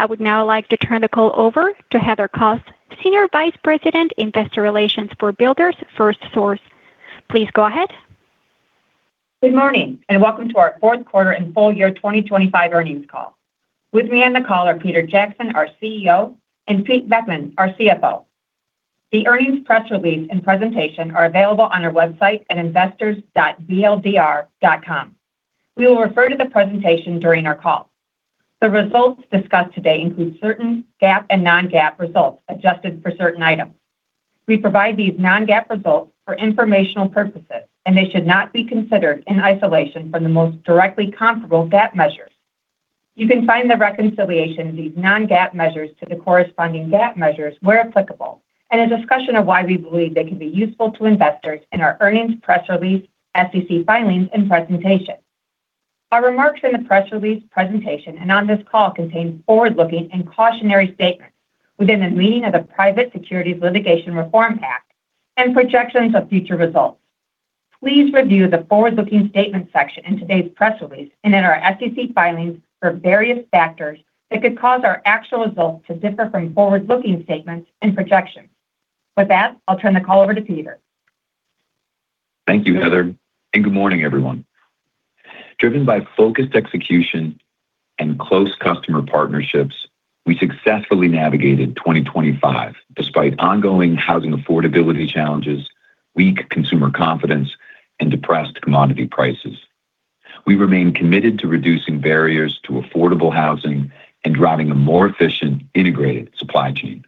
I would now like to turn the call over to Heather Kos, Senior Vice President, Investor Relations for Builders FirstSource. Please go ahead. Good morning, and welcome to our Fourth Quarter and Full Year 2025 Earnings Call. With me on the call are Peter Jackson, our CEO, and Pete Beckmann, our CFO. The earnings press release and presentation are available on our website at investors.bldr.com. We will refer to the presentation during our call. The results discussed today include certain GAAP and non-GAAP results, adjusted for certain items. We provide these non-GAAP results for informational purposes, and they should not be considered in isolation from the most directly comparable GAAP measures. You can find the reconciliation of these non-GAAP measures to the corresponding GAAP measures, where applicable, and a discussion of why we believe they can be useful to investors in our earnings press release, SEC filings, and presentation. Our remarks in the press release presentation and on this call contain forward-looking and cautionary statements within the meaning of the Private Securities Litigation Reform Act and projections of future results. Please review the forward-looking statement section in today's press release and in our SEC filings for various factors that could cause our actual results to differ from forward-looking statements and projections. With that, I'll turn the call over to Peter. Thank you, Heather, and good morning, everyone. Driven by focused execution and close customer partnerships, we successfully navigated 2025 despite ongoing housing affordability challenges, weak consumer confidence, and depressed commodity prices. We remain committed to reducing barriers to affordable housing and driving a more efficient, integrated supply chain.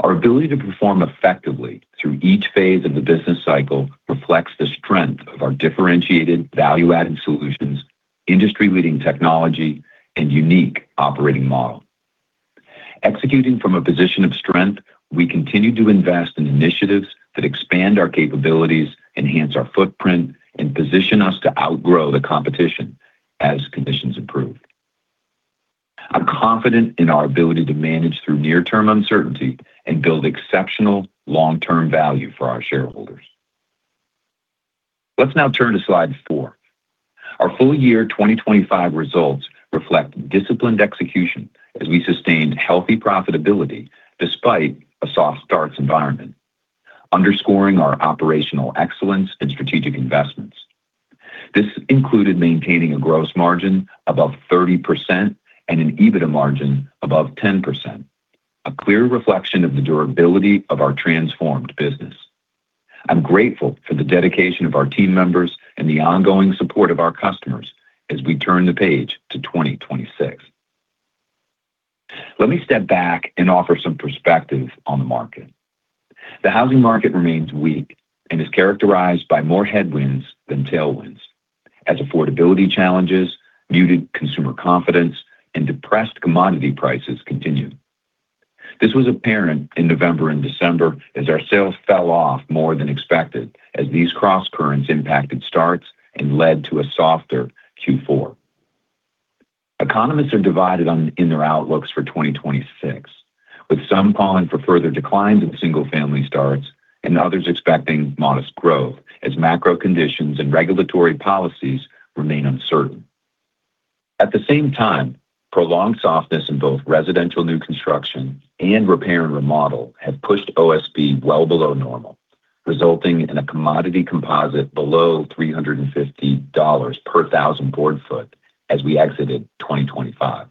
Our ability to perform effectively through each phase of the business cycle reflects the strength of our differentiated value-added solutions, industry-leading technology, and unique operating model. Executing from a position of strength, we continue to invest in initiatives that expand our capabilities, enhance our footprint, and position us to outgrow the competition as conditions improve. I'm confident in our ability to manage through near-term uncertainty and build exceptional long-term value for our shareholders. Let's now turn to slide four. Our full year 2025 results reflect disciplined execution as we sustained healthy profitability despite a soft starts environment, underscoring our operational excellence and strategic investments. This included maintaining a gross margin above 30% and an EBITDA margin above 10%, a clear reflection of the durability of our transformed business. I'm grateful for the dedication of our team members and the ongoing support of our customers as we turn the page to 2026. Let me step back and offer some perspective on the market. The housing market remains weak and is characterized by more headwinds than tailwinds, as affordability challenges, muted consumer confidence, and depressed commodity prices continue. This was apparent in November and December as our sales fell off more than expected, as these crosscurrents impacted starts and led to a softer Q4. Economists are divided in their outlooks for 2026, with some calling for further declines in single-family starts and others expecting modest growth as macro conditions and regulatory policies remain uncertain. At the same time, prolonged softness in both residential new construction and repair and remodel have pushed OSB well below normal, resulting in a commodity composite below $350 per thousand board foot as we exited 2025.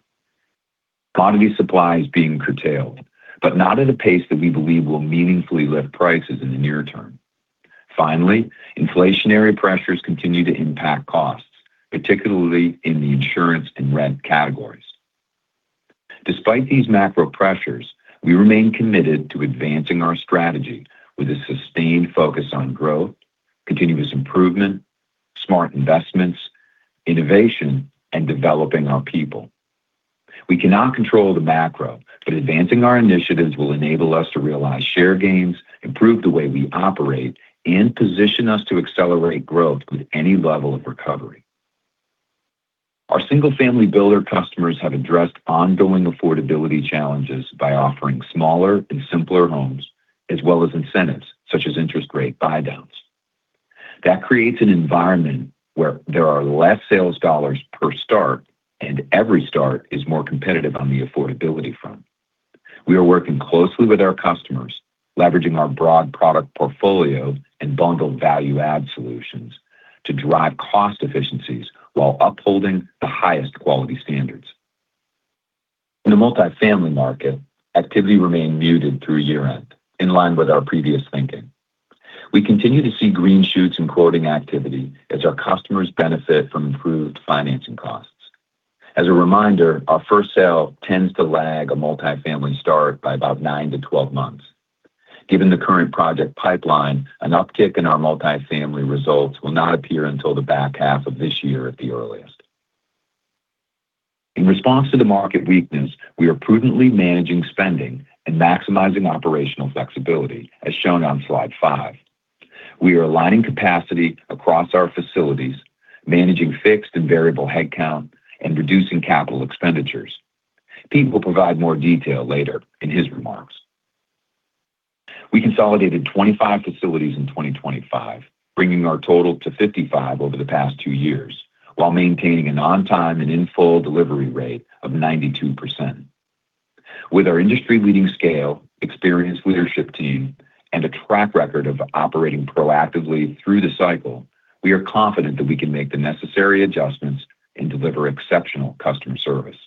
Commodity supply is being curtailed, but not at a pace that we believe will meaningfully lift prices in the near term. Finally, inflationary pressures continue to impact costs, particularly in the insurance and rent categories. Despite these macro pressures, we remain committed to advancing our strategy with a sustained focus on growth, continuous improvement, smart investments, innovation, and developing our people. We cannot control the macro, but advancing our initiatives will enable us to realize share gains, improve the way we operate, and position us to accelerate growth with any level of recovery. Our single-family builder customers have addressed ongoing affordability challenges by offering smaller and simpler homes, as well as incentives such as interest rate buydowns. That creates an environment where there are less sales dollars per start, and every start is more competitive on the affordability front. We are working closely with our customers, leveraging our broad product portfolio and bundled value-add solutions to drive cost efficiencies while upholding the highest quality standards. In the multifamily market, activity remained muted through year-end, in line with our previous thinking. We continue to see green shoots in quoting activity as our customers benefit from improved financing costs. As a reminder, our first sale tends to lag a multifamily start by about nine-12 months. Given the current project pipeline, an uptick in our multifamily results will not appear until the back half of this year at the earliest. In response to the market weakness, we are prudently managing spending and maximizing operational flexibility, as shown on slide five. We are aligning capacity across our facilities, managing fixed and variable headcount, and reducing capital expenditures. Pete will provide more detail later in his remarks. We consolidated 25 facilities in 2025, bringing our total to 55 over the past two years, while maintaining an on-time and in-full delivery rate of 92%. With our industry-leading scale, experienced leadership team, and a track record of operating proactively through the cycle, we are confident that we can make the necessary adjustments and deliver exceptional customer service.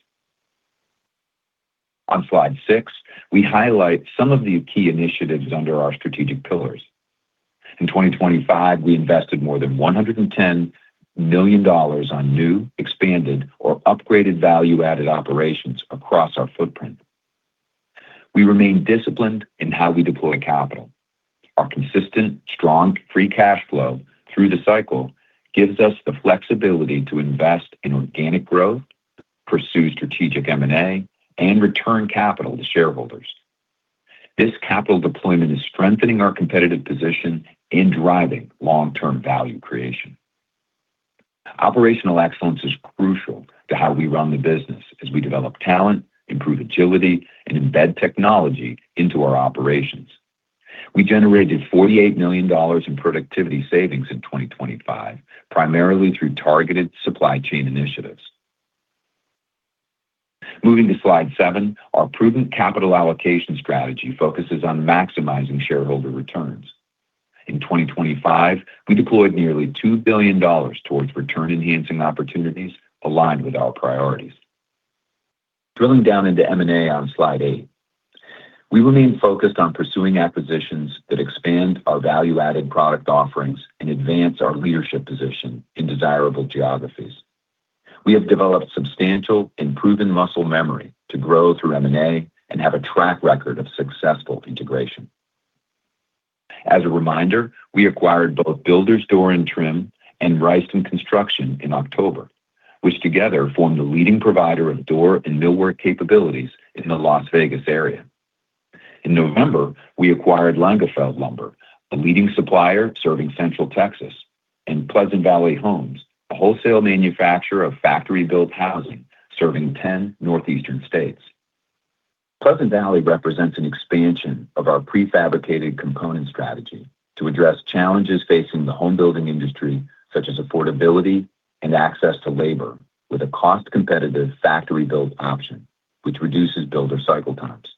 On slide six, we highlight some of the key initiatives under our strategic pillars. In 2025, we invested more than $110 million on new, expanded, or upgraded value-added operations across our footprint. We remain disciplined in how we deploy capital. Our consistent, strong, free cash flow through the cycle gives us the flexibility to invest in organic growth, pursue strategic M&A, and return capital to shareholders. This capital deployment is strengthening our competitive position and driving long-term value creation. Operational excellence is crucial to how we run the business as we develop talent, improve agility, and embed technology into our operations. We generated $48 million in productivity savings in 2025, primarily through targeted supply chain initiatives. Moving to slide seven, our prudent capital allocation strategy focuses on maximizing shareholder returns. In 2025, we deployed nearly $2 billion towards return-enhancing opportunities aligned with our priorities. Drilling down into M&A on slide eight, we remain focused on pursuing acquisitions that expand our value-added product offerings and advance our leadership position in desirable geographies. We have developed substantial and proven muscle memory to grow through M&A and have a track record of successful integration. As a reminder, we acquired both Builder's Door & Trim and Rystin Construction in October, which together form the leading provider of door and millwork capabilities in the Las Vegas area. In November, we acquired Lengefeld Lumber, a leading supplier serving central Texas, and Pleasant Valley Homes, a wholesale manufacturer of factory-built housing, serving 10 northeastern states. Pleasant Valley represents an expansion of our prefabricated component strategy to address challenges facing the home building industry, such as affordability and access to labor, with a cost-competitive factory build option, which reduces builder cycle times.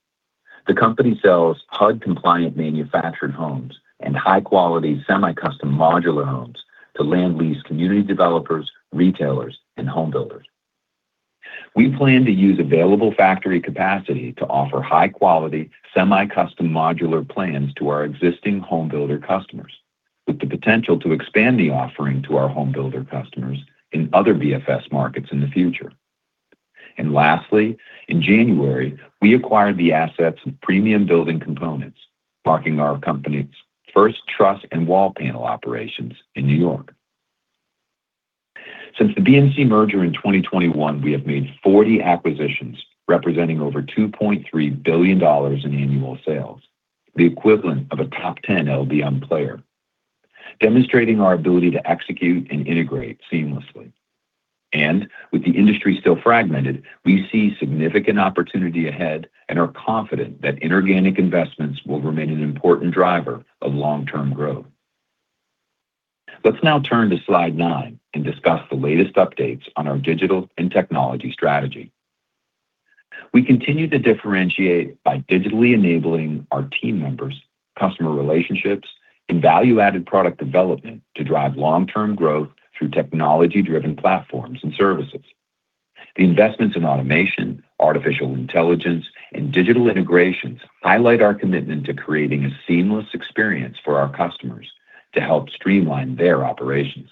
The company sells HUD-compliant manufactured homes and high-quality, semi-custom modular homes to land lease community developers, retailers, and home builders. We plan to use available factory capacity to offer high-quality, semi-custom modular plans to our existing home builder customers, with the potential to expand the offering to our home builder customers in other BFS markets in the future. And lastly, in January, we acquired the assets of Premium Building Components, marking our company's first truss and wall panel operations in New York. Since the BMC merger in 2021, we have made 40 acquisitions, representing over $2.3 billion in annual sales, the equivalent of a top 10 LBM player, demonstrating our ability to execute and integrate seamlessly. With the industry still fragmented, we see significant opportunity ahead and are confident that inorganic investments will remain an important driver of long-term growth. Let's now turn to slide nine and discuss the latest updates on our digital and technology strategy. We continue to differentiate by digitally enabling our team members, customer relationships, and value-added product development to drive long-term growth through technology-driven platforms and services. The investments in automation, artificial intelligence, and digital integrations highlight our commitment to creating a seamless experience for our customers to help streamline their operations.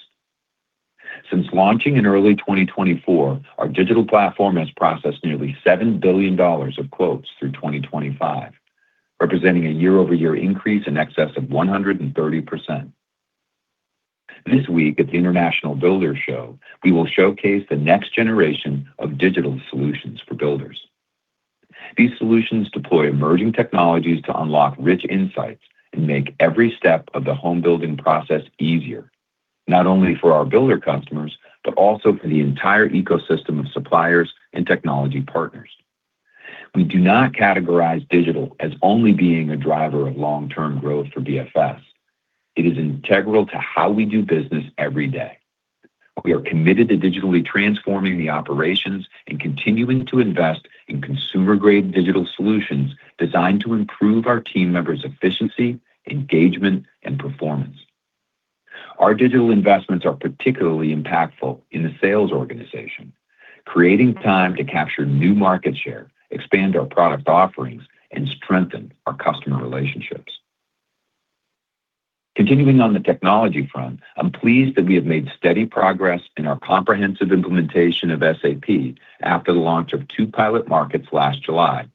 Since launching in early 2024, our digital platform has processed nearly $7 billion of quotes through 2025, representing a year-over-year increase in excess of 130%. This week at the International Builders' Show, we will showcase the next generation of digital solutions for builders. These solutions deploy emerging technologies to unlock rich insights and make every step of the home building process easier, not only for our builder customers, but also for the entire ecosystem of suppliers and technology partners. We do not categorize digital as only being a driver of long-term growth for BFS. It is integral to how we do business every day. We are committed to digitally transforming the operations and continuing to invest in consumer-grade digital solutions designed to improve our team members' efficiency, engagement, and performance. Our digital investments are particularly impactful in the sales organization, creating time to capture new market share, expand our product offerings, and strengthen our customer relationships. Continuing on the technology front, I'm pleased that we have made steady progress in our comprehensive implementation of SAP after the launch of two pilot markets last July.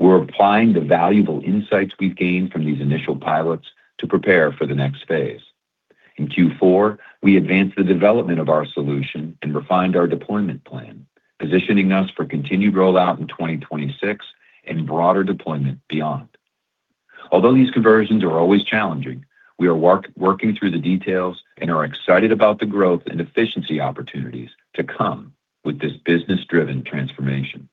We're applying the valuable insights we've gained from these initial pilots to prepare for the next phase. In Q4, we advanced the development of our solution and refined our deployment plan, positioning us for continued rollout in 2026 and broader deployment beyond. Although these conversions are always challenging, we are working through the details and are excited about the growth and efficiency opportunities to come with this business-driven transformation.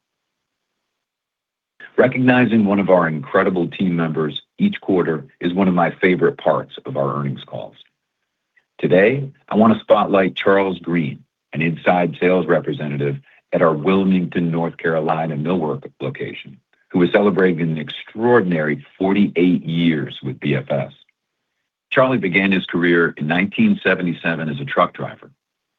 Recognizing one of our incredible team members each quarter is one of my favorite parts of our earnings calls. Today, I want to spotlight Charles Green, an inside sales representative at our Wilmington, North Carolina, millwork location, who is celebrating an extraordinary 48 years with BFS. Charlie began his career in 1977 as a truck driver.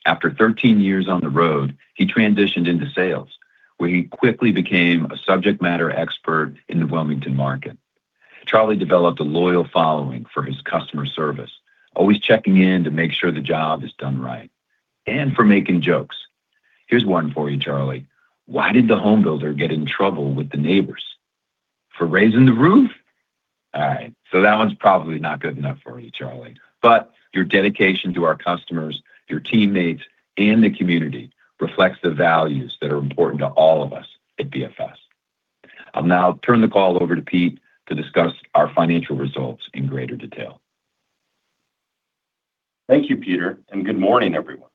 After 13 years on the road, he transitioned into sales, where he quickly became a subject matter expert in the Wilmington market. Charlie developed a loyal following for his customer service, always checking in to make sure the job is done right, and for making jokes. Here's one for you, Charlie: Why did the home builder get in trouble with the neighbors? For raising the roof! All right, so that one's probably not good enough for you, Charlie. But your dedication to our customers, your teammates, and the community reflects the values that are important to all of us at BFS. I'll now turn the call over to Pete to discuss our financial results in greater detail. Thank you, Peter, and good morning, everyone.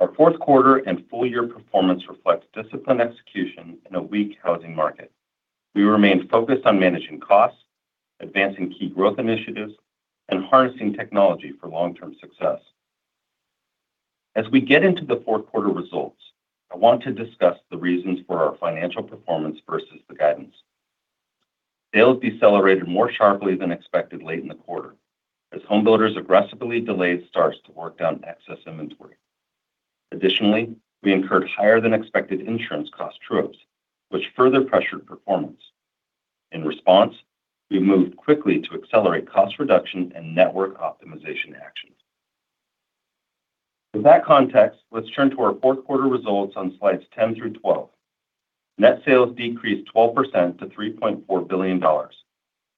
Our fourth quarter and full year performance reflects disciplined execution in a weak housing market. We remained focused on managing costs, advancing key growth initiatives, and harnessing technology for long-term success. As we get into the fourth quarter results, I want to discuss the reasons for our financial performance versus the guidance. Sales decelerated more sharply than expected late in the quarter, as home builders aggressively delayed starts to work down excess inventory. Additionally, we incurred higher-than-expected insurance costs, which further pressured performance. In response, we moved quickly to accelerate cost reduction and network optimization actions. In that context, let's turn to our fourth quarter results on slides 10 through 12. Net sales decreased 12% to $3.4 billion,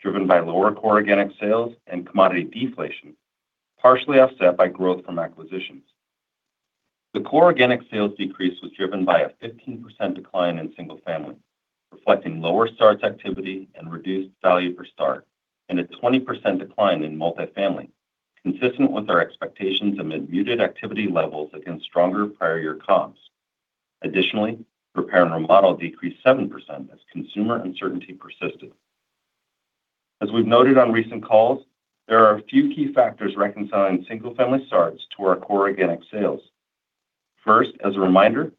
driven by lower core organic sales and commodity deflation, partially offset by growth from acquisitions. The core organic sales decrease was driven by a 15% decline in single-family, reflecting lower starts activity and reduced value per start, and a 20% decline in multifamily, consistent with our expectations amid muted activity levels against stronger prior year comps. Additionally, repair and remodel decreased 7% as consumer uncertainty persisted. As we've noted on recent calls, there are a few key factors reconciling single-family starts to our core organic sales. First, as a reminder,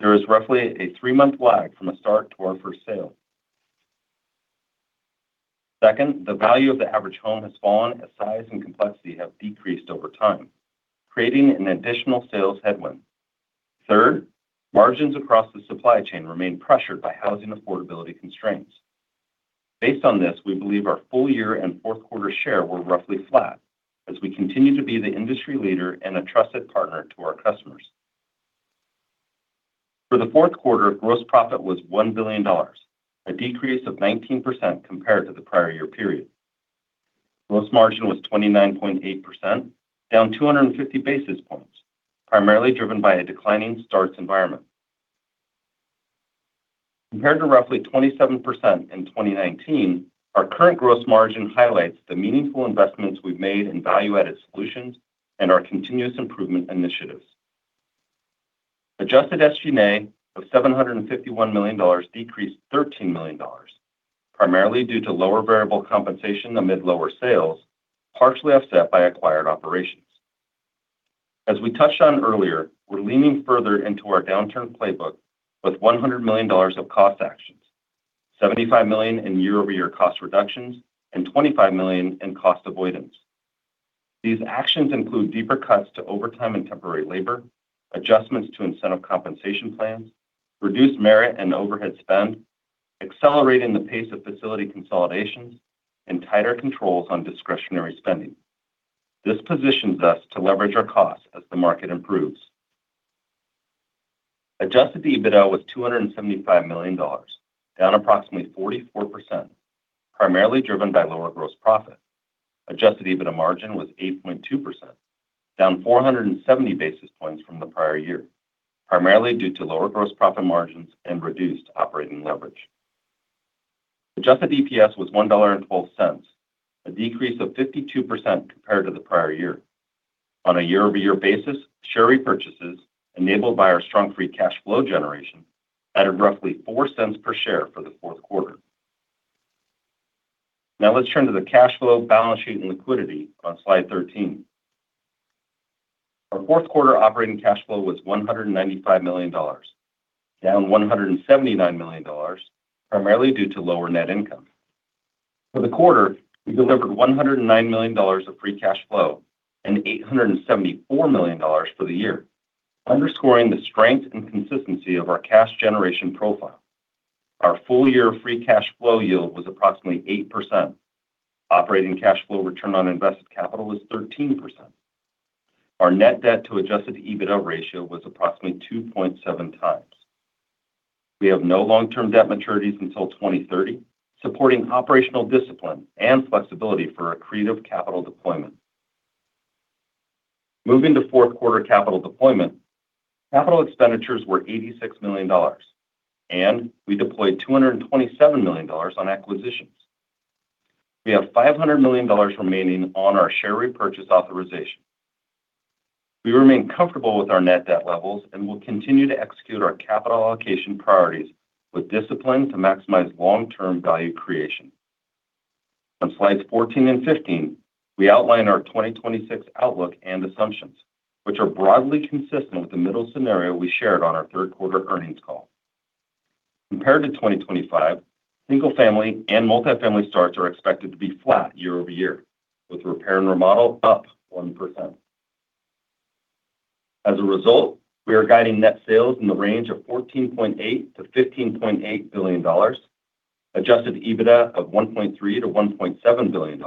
there is roughly a three-month lag from a start to our first sale. Second, the value of the average home has fallen as size and complexity have decreased over time, creating an additional sales headwind. Third, margins across the supply chain remain pressured by housing affordability constraints. Based on this, we believe our full year and fourth quarter share were roughly flat as we continue to be the industry leader and a trusted partner to our customers. For the fourth quarter, gross profit was $1 billion, a decrease of 19% compared to the prior year period. Gross margin was 29.8%, down 250 basis points, primarily driven by a declining starts environment. Compared to roughly 27% in 2019, our current gross margin highlights the meaningful investments we've made in value-added solutions and our continuous improvement initiatives. Adjusted SG&A of $751 million decreased $13 million, primarily due to lower variable compensation amid lower sales, partially offset by acquired operations. As we touched on earlier, we're leaning further into our downturn playbook with $100 million of cost actions, $75 million in year-over-year cost reductions, and $25 million in cost avoidance. These actions include deeper cuts to overtime and temporary labor, adjustments to incentive compensation plans, reduced merit and overhead spend, accelerating the pace of facility consolidations, and tighter controls on discretionary spending. This positions us to leverage our costs as the market improves. Adjusted EBITDA was $275 million, down approximately 44%, primarily driven by lower gross profit. Adjusted EBITDA margin was 8.2%, down 470 basis points from the prior year, primarily due to lower gross profit margins and reduced operating leverage. Adjusted EPS was $1.12, a decrease of 52% compared to the prior year. On a year-over-year basis, share repurchases, enabled by our strong free cash flow generation, added roughly $0.04 per share for the fourth quarter. Now, let's turn to the cash flow, balance sheet, and liquidity on slide 13. Our fourth quarter operating cash flow was $195 million, down $179 million, primarily due to lower net income. For the quarter, we delivered $109 million of free cash flow and $874 million for the year, underscoring the strength and consistency of our cash generation profile. Our full-year free cash flow yield was approximately 8%. Operating cash flow return on invested capital was 13%. Our net debt to Adjusted EBITDA ratio was approximately 2.7 times. We have no long-term debt maturities until 2030, supporting operational discipline and flexibility for accretive capital deployment. Moving to fourth quarter capital deployment, capital expenditures were $86 million, and we deployed $227 million on acquisitions. We have $500 million remaining on our share repurchase authorization. We remain comfortable with our net debt levels and will continue to execute our capital allocation priorities with discipline to maximize long-term value creation. On slides 14 and 15, we outline our 2026 outlook and assumptions, which are broadly consistent with the middle scenario we shared on our third quarter earnings call. Compared to 2025, single-family and multifamily starts are expected to be flat year-over-year, with repair and remodel up 1%. As a result, we are guiding net sales in the range of $14.8 billion-$15.8 billion, Adjusted EBITDA of $1.3 billion-$1.7 billion,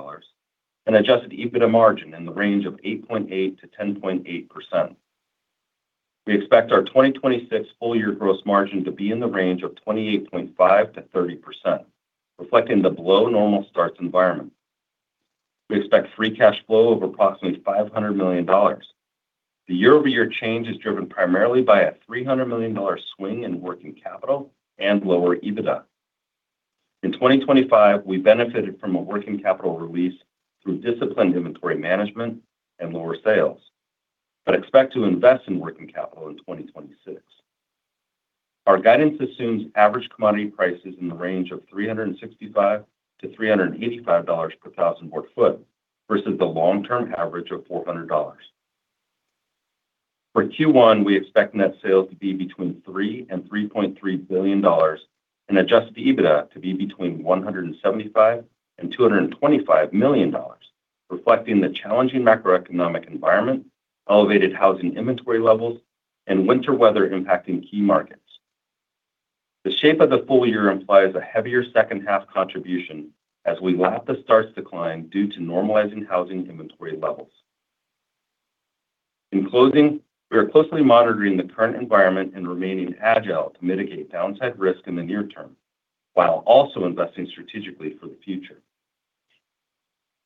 and Adjusted EBITDA margin in the range of 8.8%-10.8%. We expect our 2026 full year gross margin to be in the range of 28.5%-30%, reflecting the below normal starts environment. We expect free cash flow of approximately $500 million. The year-over-year change is driven primarily by a $300 million swing in working capital and lower EBITDA. In 2025, we benefited from a working capital release through disciplined inventory management and lower sales, but expect to invest in working capital in 2026. Our guidance assumes average commodity prices in the range of $365-$385 per thousand board foot, versus the long-term average of $400. For Q1, we expect net sales to be between $3 billion-$3.3 billion, and adjusted EBITDA to be between $175 million-$225 million, reflecting the challenging macroeconomic environment, elevated housing inventory levels, and winter weather impacting key markets. The shape of the full year implies a heavier second half contribution as we lap the starts decline due to normalizing housing inventory levels. In closing, we are closely monitoring the current environment and remaining agile to mitigate downside risk in the near term, while also investing strategically for the future.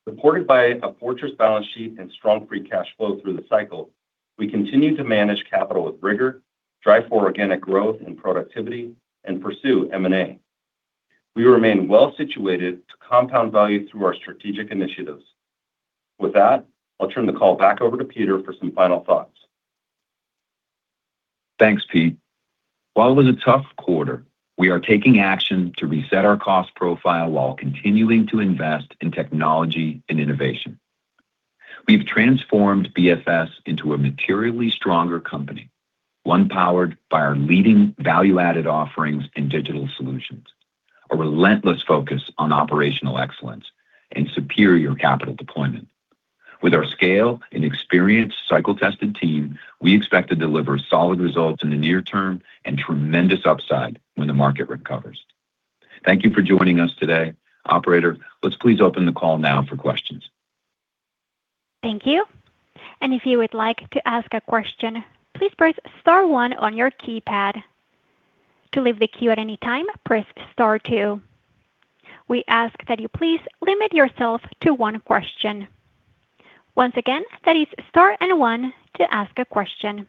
Supported by a fortress balance sheet and strong free cash flow through the cycle, we continue to manage capital with rigor, drive for organic growth and productivity, and pursue M&A. We remain well-situated to compound value through our strategic initiatives. With that, I'll turn the call back over to Peter for some final thoughts. Thanks, Pete. While it was a tough quarter, we are taking action to reset our cost profile while continuing to invest in technology and innovation. We've transformed BFS into a materially stronger company, one powered by our leading value-added offerings and digital solutions, a relentless focus on operational excellence and superior capital deployment. With our scale and experienced cycle-tested team, we expect to deliver solid results in the near term and tremendous upside when the market recovers. Thank you for joining us today. Operator, let's please open the call now for questions. Thank you, and if you would like to ask a question, please press star one on your keypad. To leave the queue at any time, press star two. We ask that you please limit yourself to one question. Once again, that is star and one to ask a question.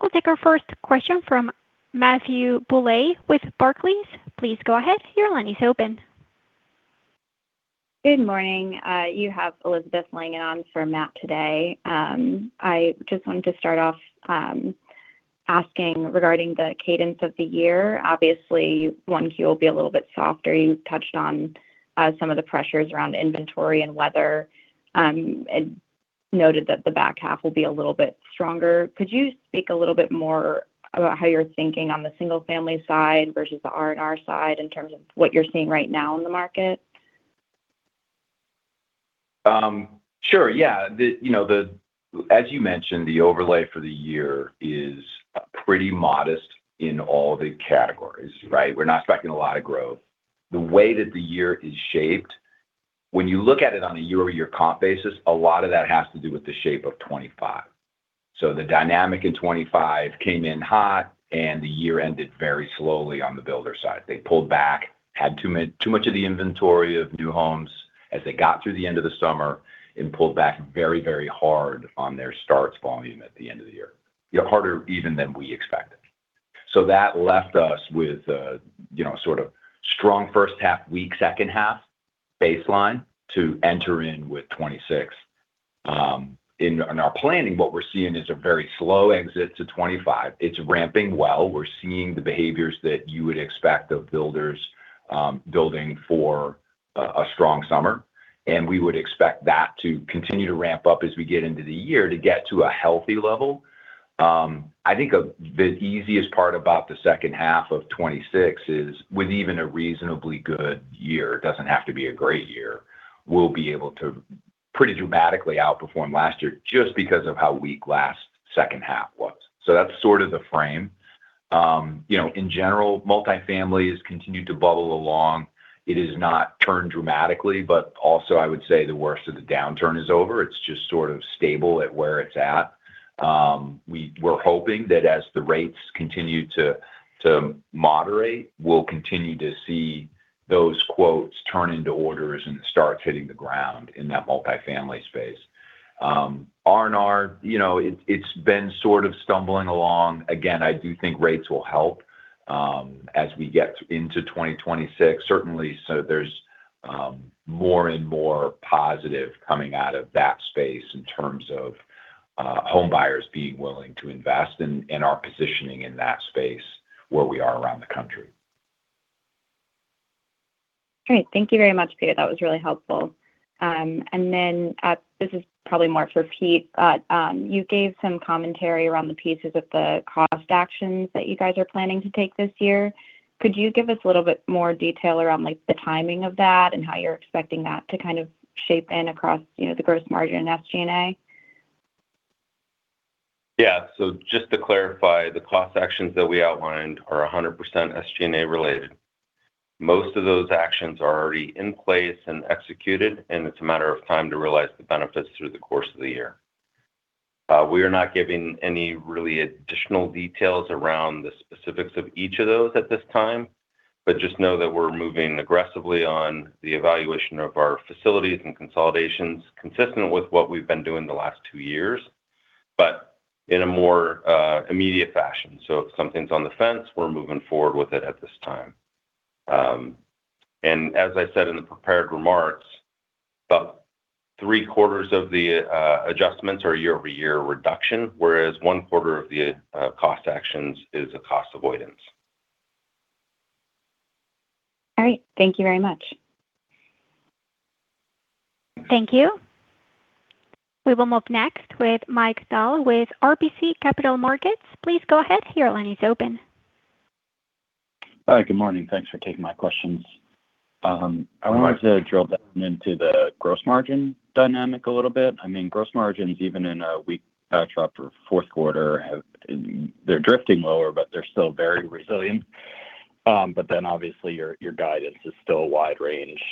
We'll take our first question from Matthew Bouley with Barclays. Please go ahead. Your line is open. Good morning. You have Elizabeth Langan on for Matt today. I just wanted to start off, asking regarding the cadence of the year. Obviously, 1Q will be a little bit softer. You touched on, some of the pressures around inventory and weather, and noted that the back half will be a little bit stronger. Could you speak a little bit more about how you're thinking on the single family side versus the R&R side in terms of what you're seeing right now in the market? Sure, yeah. You know, as you mentioned, the overlay for the year is pretty modest in all the categories, right? We're not expecting a lot of growth. The way that the year is shaped, when you look at it on a year-over-year comp basis, a lot of that has to do with the shape of 2025. So the dynamic in 2025 came in hot, and the year ended very slowly on the builder side. They pulled back, had too much of the inventory of new homes as they got through the end of the summer and pulled back very, very hard on their starts volume at the end of the year. You know, harder even than we expected. So that left us with a, you know, sort of strong first half, weak second half baseline to enter in with 2026. In our planning, what we're seeing is a very slow exit to 2025. It's ramping well. We're seeing the behaviors that you would expect of builders, building for a strong summer, and we would expect that to continue to ramp up as we get into the year to get to a healthy level. I think the easiest part about the second half of 2026 is, with even a reasonably good year, it doesn't have to be a great year, we'll be able to pretty dramatically outperform last year just because of how weak last second half was. So that's sort of the frame. You know, in general, multifamily has continued to bubble along. It has not turned dramatically, but also I would say the worst of the downturn is over. It's just sort of stable at where it's at. We were hoping that as the rates continue to moderate, we'll continue to see those quotes turn into orders and starts hitting the ground in that multifamily space. R&R, you know, it, it's been sort of stumbling along. Again, I do think rates will help, as we get into 2026. Certainly, so there's more and more positive coming out of that space in terms of home buyers being willing to invest in our positioning in that space where we are around the country. Great. Thank you very much, Peter. That was really helpful. And then, this is probably more for Pete, but, you gave some commentary around the pieces of the cost actions that you guys are planning to take this year. Could you give us a little bit more detail around, like, the timing of that and how you're expecting that to kind of shape in across, you know, the gross margin and SG&A? Yeah. So just to clarify, the cost actions that we outlined are 100% SG&A related. Most of those actions are already in place and executed, and it's a matter of time to realize the benefits through the course of the year. We are not giving any really additional details around the specifics of each of those at this time, but just know that we're moving aggressively on the evaluation of our facilities and consolidations, consistent with what we've been doing the last two years, but in a more immediate fashion. So if something's on the fence, we're moving forward with it at this time. And as I said in the prepared remarks, about three-quarters of the adjustments are year-over-year reduction, whereas one quarter of the cost actions is a cost avoidance. All right. Thank you very much. Thank you. We will move next with Mike Dahl, with RBC Capital Markets. Please go ahead. Your line is open. Hi, good morning. Thanks for taking my questions. I wanted to drill down into the gross margin dynamic a little bit. I mean, gross margins, even in a weak, tougher fourth quarter, have—they're drifting lower, but they're still very resilient. But then obviously, your guidance is still a wide range,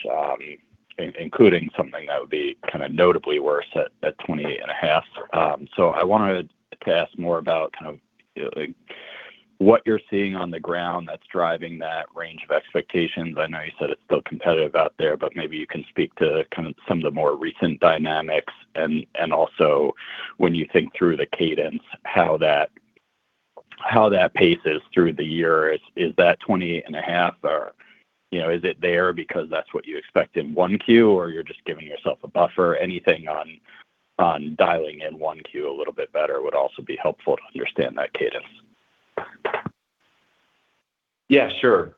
including something that would be kinda notably worse at 28.5%. So I wanted to ask more about kind of, like, what you're seeing on the ground that's driving that range of expectations. I know you said it's still competitive out there, but maybe you can speak to kind of some of the more recent dynamics. And also when you think through the cadence, how that paces through the year. Is that 28.5% or, you know, is it there because that's what you expect in 1Q, or you're just giving yourself a buffer? Anything on dialing in 1Q a little bit better would also be helpful to understand that cadence. Yeah, sure.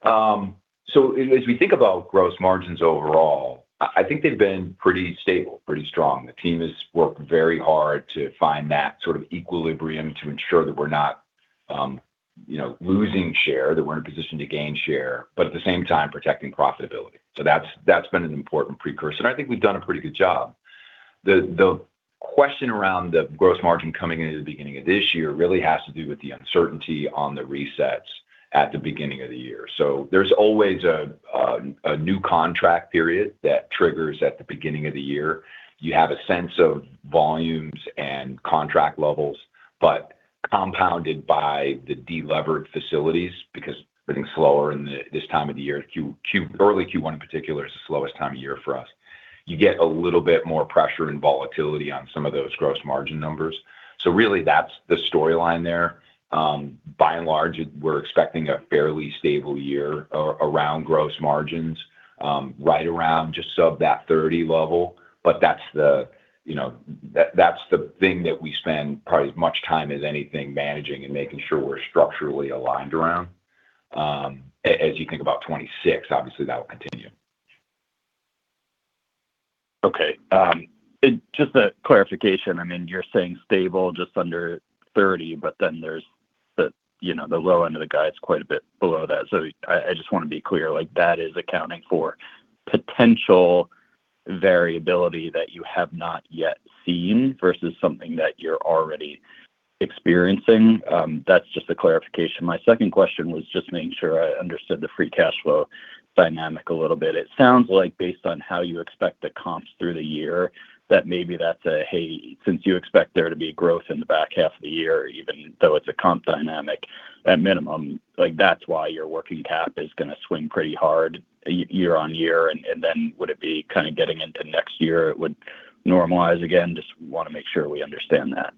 So as we think about gross margins overall, I think they've been pretty stable, pretty strong. The team has worked very hard to find that sort of equilibrium to ensure that we're not, you know, losing share, that we're in a position to gain share, but at the same time, protecting profitability. So that's been an important precursor, and I think we've done a pretty good job. The question around the gross margin coming into the beginning of this year really has to do with the uncertainty on the resets at the beginning of the year. So there's always a new contract period that triggers at the beginning of the year. You have a sense of volumes and contract levels, but compounded by the de-levered facilities, because everything's slower in this time of the year. Q1, early Q1 in particular is the slowest time of year for us. You get a little bit more pressure and volatility on some of those gross margin numbers. So really, that's the storyline there. By and large, we're expecting a fairly stable year around gross margins, right around just sub that 30 level. But that's the, you know, that's the thing that we spend probably as much time as anything managing and making sure we're structurally aligned around. As you think about 2026, obviously, that will continue. Okay. And just a clarification, I mean, you're saying stable just under 30, but then there's the, you know, the low end of the guide is quite a bit below that. So I, I just wanna be clear, like, that is accounting for potential variability that you have not yet seen versus something that you're already experiencing? That's just a clarification. My second question was just making sure I understood the free cash flow dynamic a little bit. It sounds like based on how you expect the comps through the year, that maybe that's a, hey, since you expect there to be growth in the back half of the year, even though it's a comp dynamic, at minimum, like, that's why your working cap is gonna swing pretty hard year-over-year. And then would it be kind of getting into next year, it would normalize again? Just wanna make sure we understand that.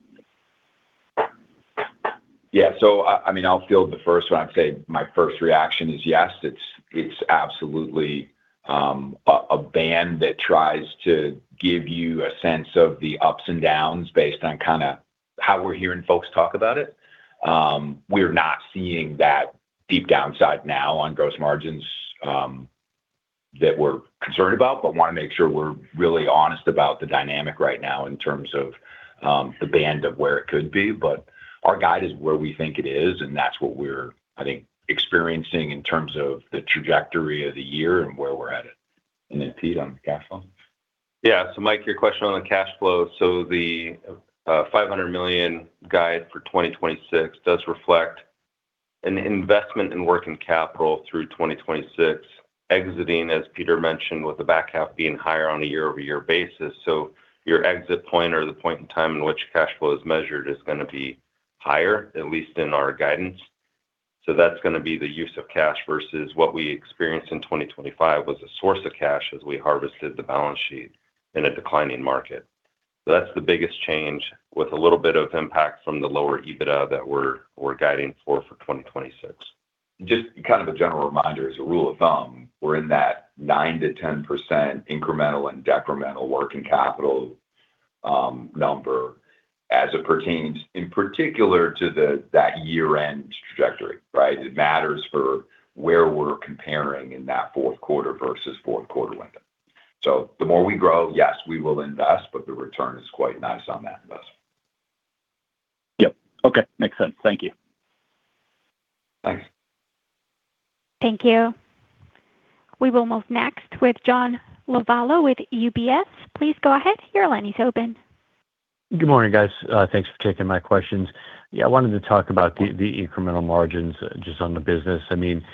Yeah. So, I mean, I'll field the first one. I'd say my first reaction is, yes, it's absolutely a band that tries to give you a sense of the ups and downs based on kinda how we're hearing folks talk about it. We're not seeing that deep downside now on gross margins that we're concerned about, but wanna make sure we're really honest about the dynamic right now in terms of the band of where it could be. But our guide is where we think it is, and that's what we're, I think, experiencing in terms of the trajectory of the year and where we're at. And then, Pete, on the cash flow? Yeah. So, Mike, your question on the cash flow. So the $500 million guide for 2026 does reflect an investment in working capital through 2026, exiting, as Peter mentioned, with the back half being higher on a year-over-year basis. So your exit point or the point in time in which cash flow is measured is gonna be higher, at least in our guidance. So that's going to be the use of cash versus what we experienced in 2025, was a source of cash as we harvested the balance sheet in a declining market. So that's the biggest change, with a little bit of impact from the lower EBITDA that we're guiding for, for 2026. Just kind of a general reminder, as a rule of thumb, we're in that 9%-10% incremental and decremental working capital number as it pertains in particular to that year-end trajectory, right? It matters for where we're comparing in that fourth quarter versus fourth quarter window. So the more we grow, yes, we will invest, but the return is quite nice on that investment. Yep. Okay. Makes sense. Thank you. Thanks. Thank you. We will move next with John Lovallo with UBS. Please go ahead. Your line is open. Good morning, guys. Thanks for taking my questions. Yeah, I wanted to talk about the incremental margins just on the business. I mean,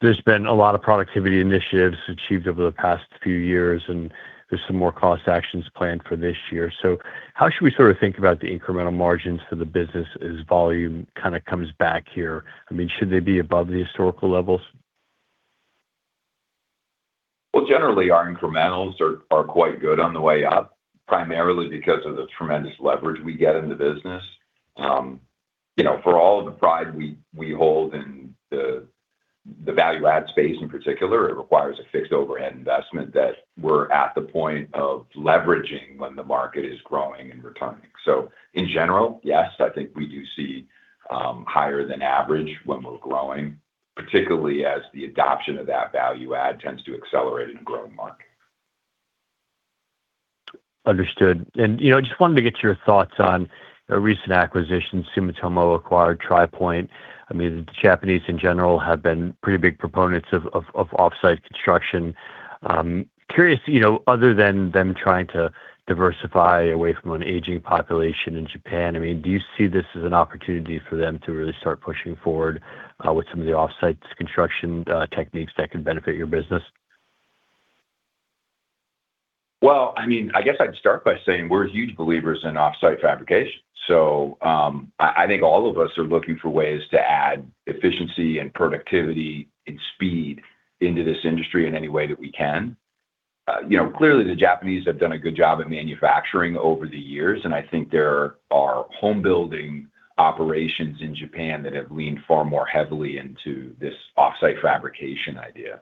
there's been a lot of productivity initiatives achieved over the past few years, and there's some more cost actions planned for this year. So how should we sort of think about the incremental margins for the business as volume kind of comes back here? I mean, should they be above the historical levels? Well, generally, our incrementals are quite good on the way up, primarily because of the tremendous leverage we get in the business. You know, for all the pride we hold in the value add space in particular, it requires a fixed overhead investment that we're at the point of leveraging when the market is growing and returning. So in general, yes, I think we do see higher than average when we're growing, particularly as the adoption of that value add tends to accelerate in a growing market. Understood. And, you know, I just wanted to get your thoughts on a recent acquisition, Sumitomo acquired Tri Pointe. I mean, the Japanese in general have been pretty big proponents of off-site construction. Curious, you know, other than them trying to diversify away from an aging population in Japan, I mean, do you see this as an opportunity for them to really start pushing forward with some of the off-site construction techniques that could benefit your business? Well, I mean, I guess I'd start by saying we're huge believers in off-site fabrication. So, I think all of us are looking for ways to add efficiency and productivity and speed into this industry in any way that we can. You know, clearly, the Japanese have done a good job at manufacturing over the years, and I think there are home building operations in Japan that have leaned far more heavily into this off-site fabrication idea.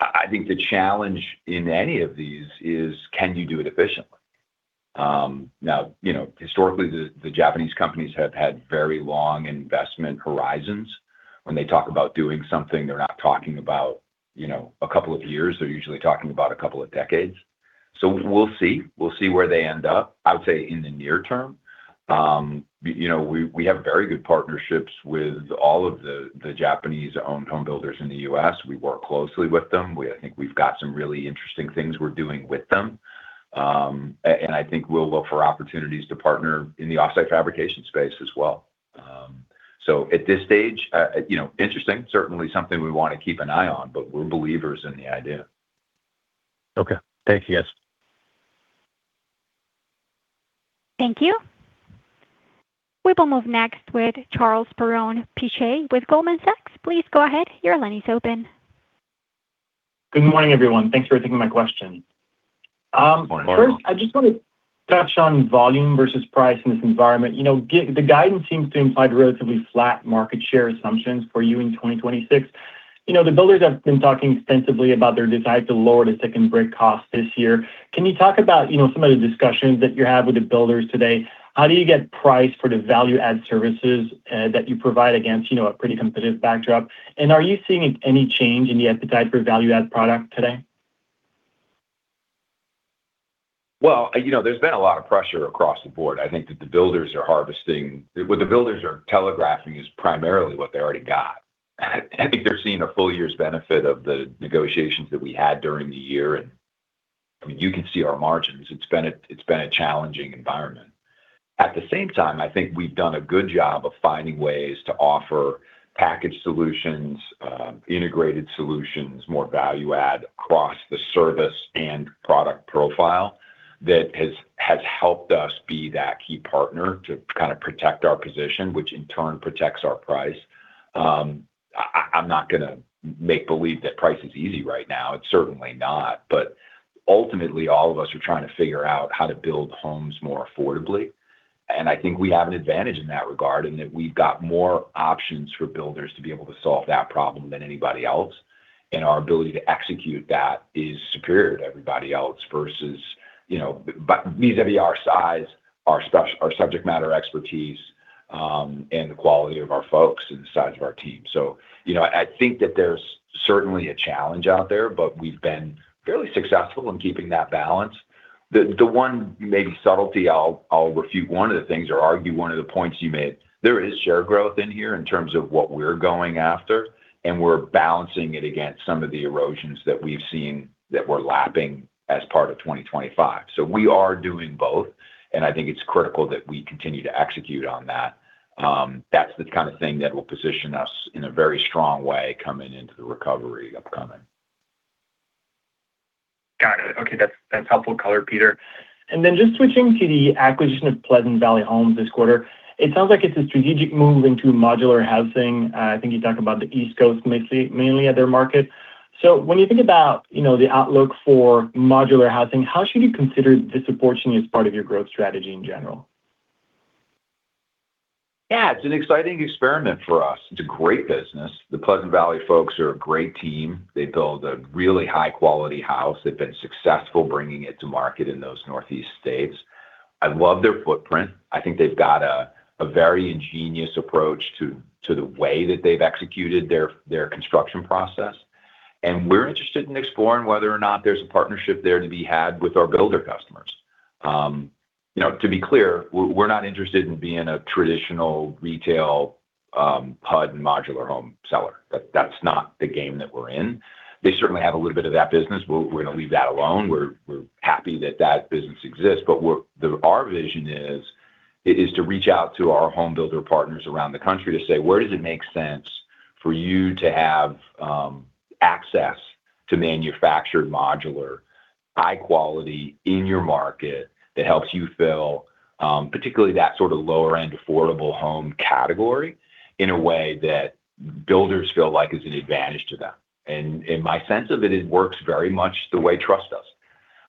I think the challenge in any of these is, can you do it efficiently? Now, you know, historically, the Japanese companies have had very long investment horizons. When they talk about doing something, they're not talking about, you know, a couple of years, they're usually talking about a couple of decades. So we'll see. We'll see where they end up. I would say in the near term, you know, we have very good partnerships with all of the Japanese-owned home builders in the U.S. We work closely with them. I think we've got some really interesting things we're doing with them. And I think we'll look for opportunities to partner in the off-site fabrication space as well. So at this stage, you know, interesting, certainly something we want to keep an eye on, but we're believers in the idea. Okay. Thank you, guys. Thank you. We will move next with Charles Perron-Piche with Goldman Sachs. Please go ahead. Your line is open. Good morning, everyone. Thanks for taking my question. Good morning, Charles. First, I just want to touch on volume versus price in this environment. You know, the guidance seems to imply relatively flat market share assumptions for you in 2026. You know, the builders have been talking extensively about their desire to lower the stick-built cost this year. Can you talk about, you know, some of the discussions that you have with the builders today? How do you get price for the value add services that you provide against, you know, a pretty competitive backdrop? And are you seeing any change in the appetite for value add product today? Well, you know, there's been a lot of pressure across the board. I think that the builders are harvesting... What the builders are telegraphing is primarily what they already got. I think they're seeing a full year's benefit of the negotiations that we had during the year, and, I mean, you can see our margins. It's been a challenging environment. At the same time, I think we've done a good job of finding ways to offer package solutions, integrated solutions, more value add across the service and product profile that has helped us be that key partner to kind of protect our position, which in turn protects our price. I'm not going to make believe that price is easy right now. It's certainly not. But ultimately, all of us are trying to figure out how to build homes more affordably, and I think we have an advantage in that regard, and that we've got more options for builders to be able to solve that problem than anybody else. And our ability to execute that is superior to everybody else versus, you know, by DWR size, our spec- our subject matter expertise, and the quality of our folks and the size of our team. So, you know, I think that there's certainly a challenge out there, but we've been fairly successful in keeping that balance. The one maybe subtlety I'll refute one of the things or argue one of the points you made, there is share growth in here in terms of what we're going after, and we're balancing it against some of the erosions that we've seen that we're lapping as part of 2025. So we are doing both, and I think it's critical that we continue to execute on that. That's the kind of thing that will position us in a very strong way coming into the recovery upcoming. Okay, that's, that's helpful color, Peter. And then just switching to the acquisition of Pleasant Valley Homes this quarter it sounds like it's a strategic move into modular housing. I think you talked about the East Coast mainly, mainly at their market. So when you think about, you know, the outlook for modular housing, how should you consider this portion as part of your growth strategy in general? Yeah, it's an exciting experiment for us. It's a great business. The Pleasant Valley folks are a great team. They build a really high-quality house. They've been successful bringing it to market in those Northeast states. I love their footprint. I think they've got a very ingenious approach to the way that they've executed their construction process, and we're interested in exploring whether or not there's a partnership there to be had with our builder customers. You know, to be clear, we're not interested in being a traditional retail pod and modular home seller. That's not the game that we're in. They certainly have a little bit of that business, but we're going to leave that alone. We're happy that that business exists, but our vision is to reach out to our home builder partners around the country to say, where does it make sense for you to have access to manufactured modular, high quality in your market that helps you fill, particularly that sort of lower-end, affordable home category in a way that builders feel like is an advantage to them? And in my sense of it, it works very much the way truss does,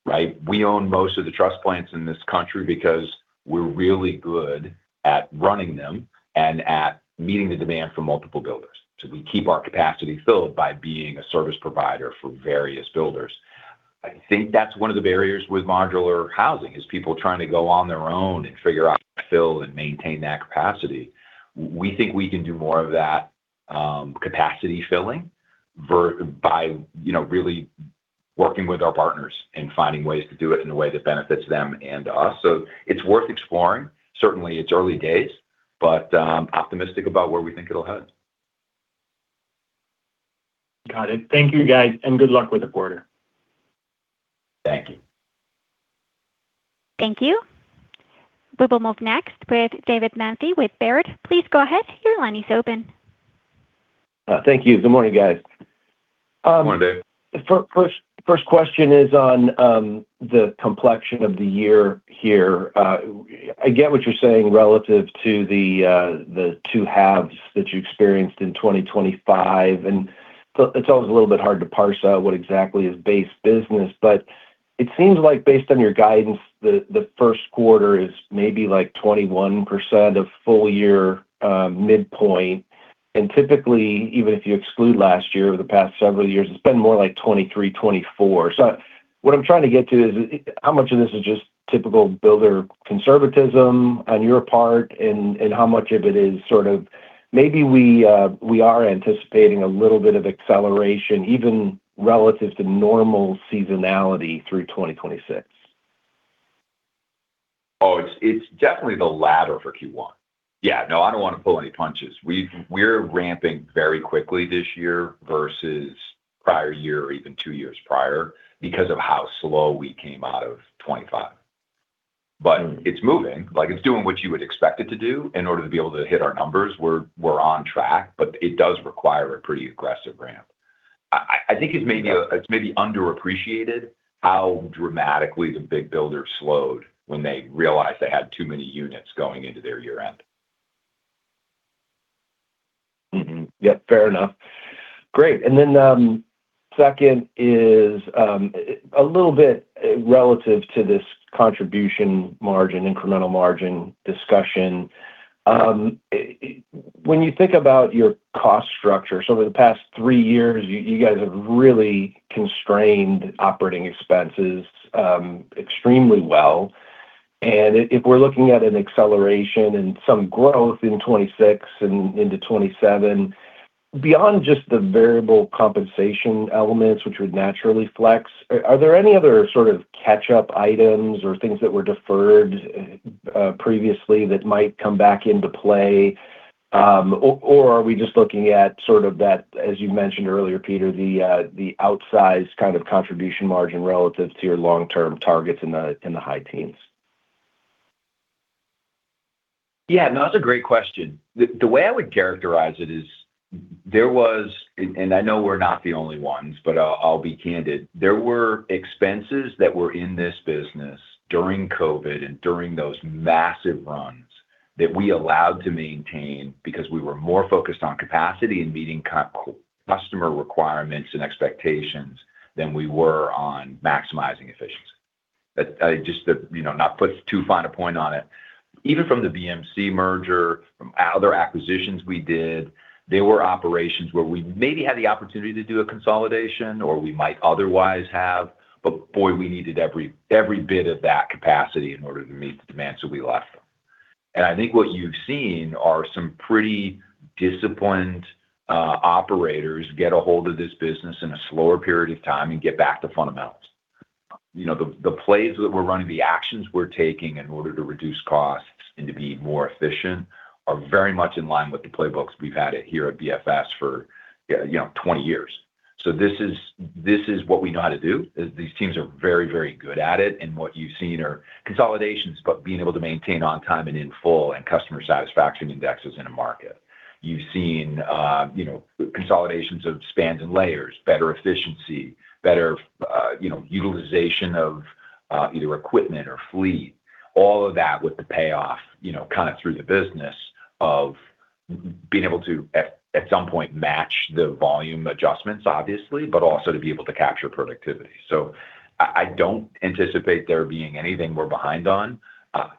right? We own most of the truss plants in this country because we're really good at running them and at meeting the demand for multiple builders. So we keep our capacity filled by being a service provider for various builders. I think that's one of the barriers with modular housing, is people trying to go on their own and figure out how to fill and maintain that capacity. We think we can do more of that, capacity filling by, you know, really working with our partners and finding ways to do it in a way that benefits them and us. So it's worth exploring. Certainly, it's early days, but optimistic about where we think it'll head. Got it. Thank you, guys, and good luck with the quarter. Thank you. Thank you. We will move next with David Manthey with Baird. Please go ahead. Your line is open. Thank you. Good morning, guys. Good morning, Dave. First question is on the complexion of the year here. I get what you're saying relative to the two halves that you experienced in 2025, but it's always a little bit hard to parse out what exactly is base business. But it seems like based on your guidance, the first quarter is maybe like 21% of full year midpoint, and typically, even if you exclude last year, over the past several years, it's been more like 2023, 2024. So what I'm trying to get to is how much of this is just typical builder conservatism on your part, and how much of it is sort of maybe we are anticipating a little bit of acceleration even relative to normal seasonality through 2026? Oh, it's definitely the latter for Q1. Yeah, no, I don't want to pull any punches. We're ramping very quickly this year versus prior year or even two years prior because of how slow we came out of 2025. But it's moving, like it's doing what you would expect it to do in order to be able to hit our numbers. We're on track, but it does require a pretty aggressive ramp. I think it's maybe underappreciated how dramatically the big builders slowed when they realized they had too many units going into their year-end. Mm-hmm. Yep, fair enough. Great. And then, second is a little bit relative to this contribution margin, incremental margin discussion. When you think about your cost structure, so over the past three years, you guys have really constrained operating expenses extremely well. And if we're looking at an acceleration and some growth in 2026 and into 2027, beyond just the variable compensation elements, which would naturally flex, are there any other sort of catch-up items or things that were deferred previously that might come back into play? Or are we just looking at sort of that, as you mentioned earlier, Peter, the outsized kind of contribution margin relative to your long-term targets in the high teens? Yeah, no, that's a great question. The way I would characterize it is there was... And I know we're not the only ones, but I'll be candid. There were expenses that were in this business during COVID and during those massive runs that we allowed to maintain because we were more focused on capacity and meeting customer requirements and expectations than we were on maximizing efficiency. But just to, you know, not put too fine a point on it, even from the BMC merger, from other acquisitions we did, there were operations where we maybe had the opportunity to do a consolidation or we might otherwise have, but, boy, we needed every bit of that capacity in order to meet the demands, so we left them. I think what you've seen are some pretty disciplined operators get a hold of this business in a slower period of time and get back to fundamentals. You know, the plays that we're running, the actions we're taking in order to reduce costs and to be more efficient are very much in line with the playbooks we've had here at BFS for, you know, 20 years. So this is what we know how to do. These teams are very, very good at it, and what you've seen are consolidations, but being able to maintain on time and in full, and customer satisfaction indexes in a market. You've seen, you know, consolidations of spans and layers, better efficiency, better, you know, utilization of either equipment or fleet. All of that with the payoff, you know, kind of through the business of being able to at some point match the volume adjustments, obviously, but also to be able to capture productivity. So I don't anticipate there being anything we're behind on.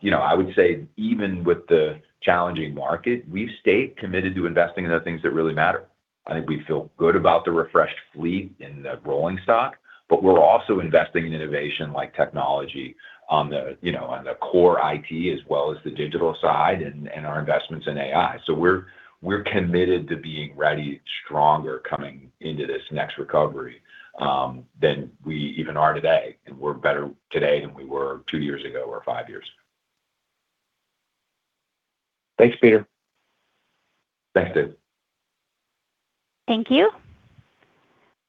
You know, I would say even with the challenging market, we've stayed committed to investing in the things that really matter. I think we feel good about the refreshed fleet and the rolling stock, but we're also investing in innovation like technology on the, you know, on the core IT, as well as the digital side and our investments in AI. So we're committed to being ready, stronger, coming into this next recovery, than we even are today. And we're better today than we were two years ago or five years. Thanks, Peter. Thanks, Dave. Thank you.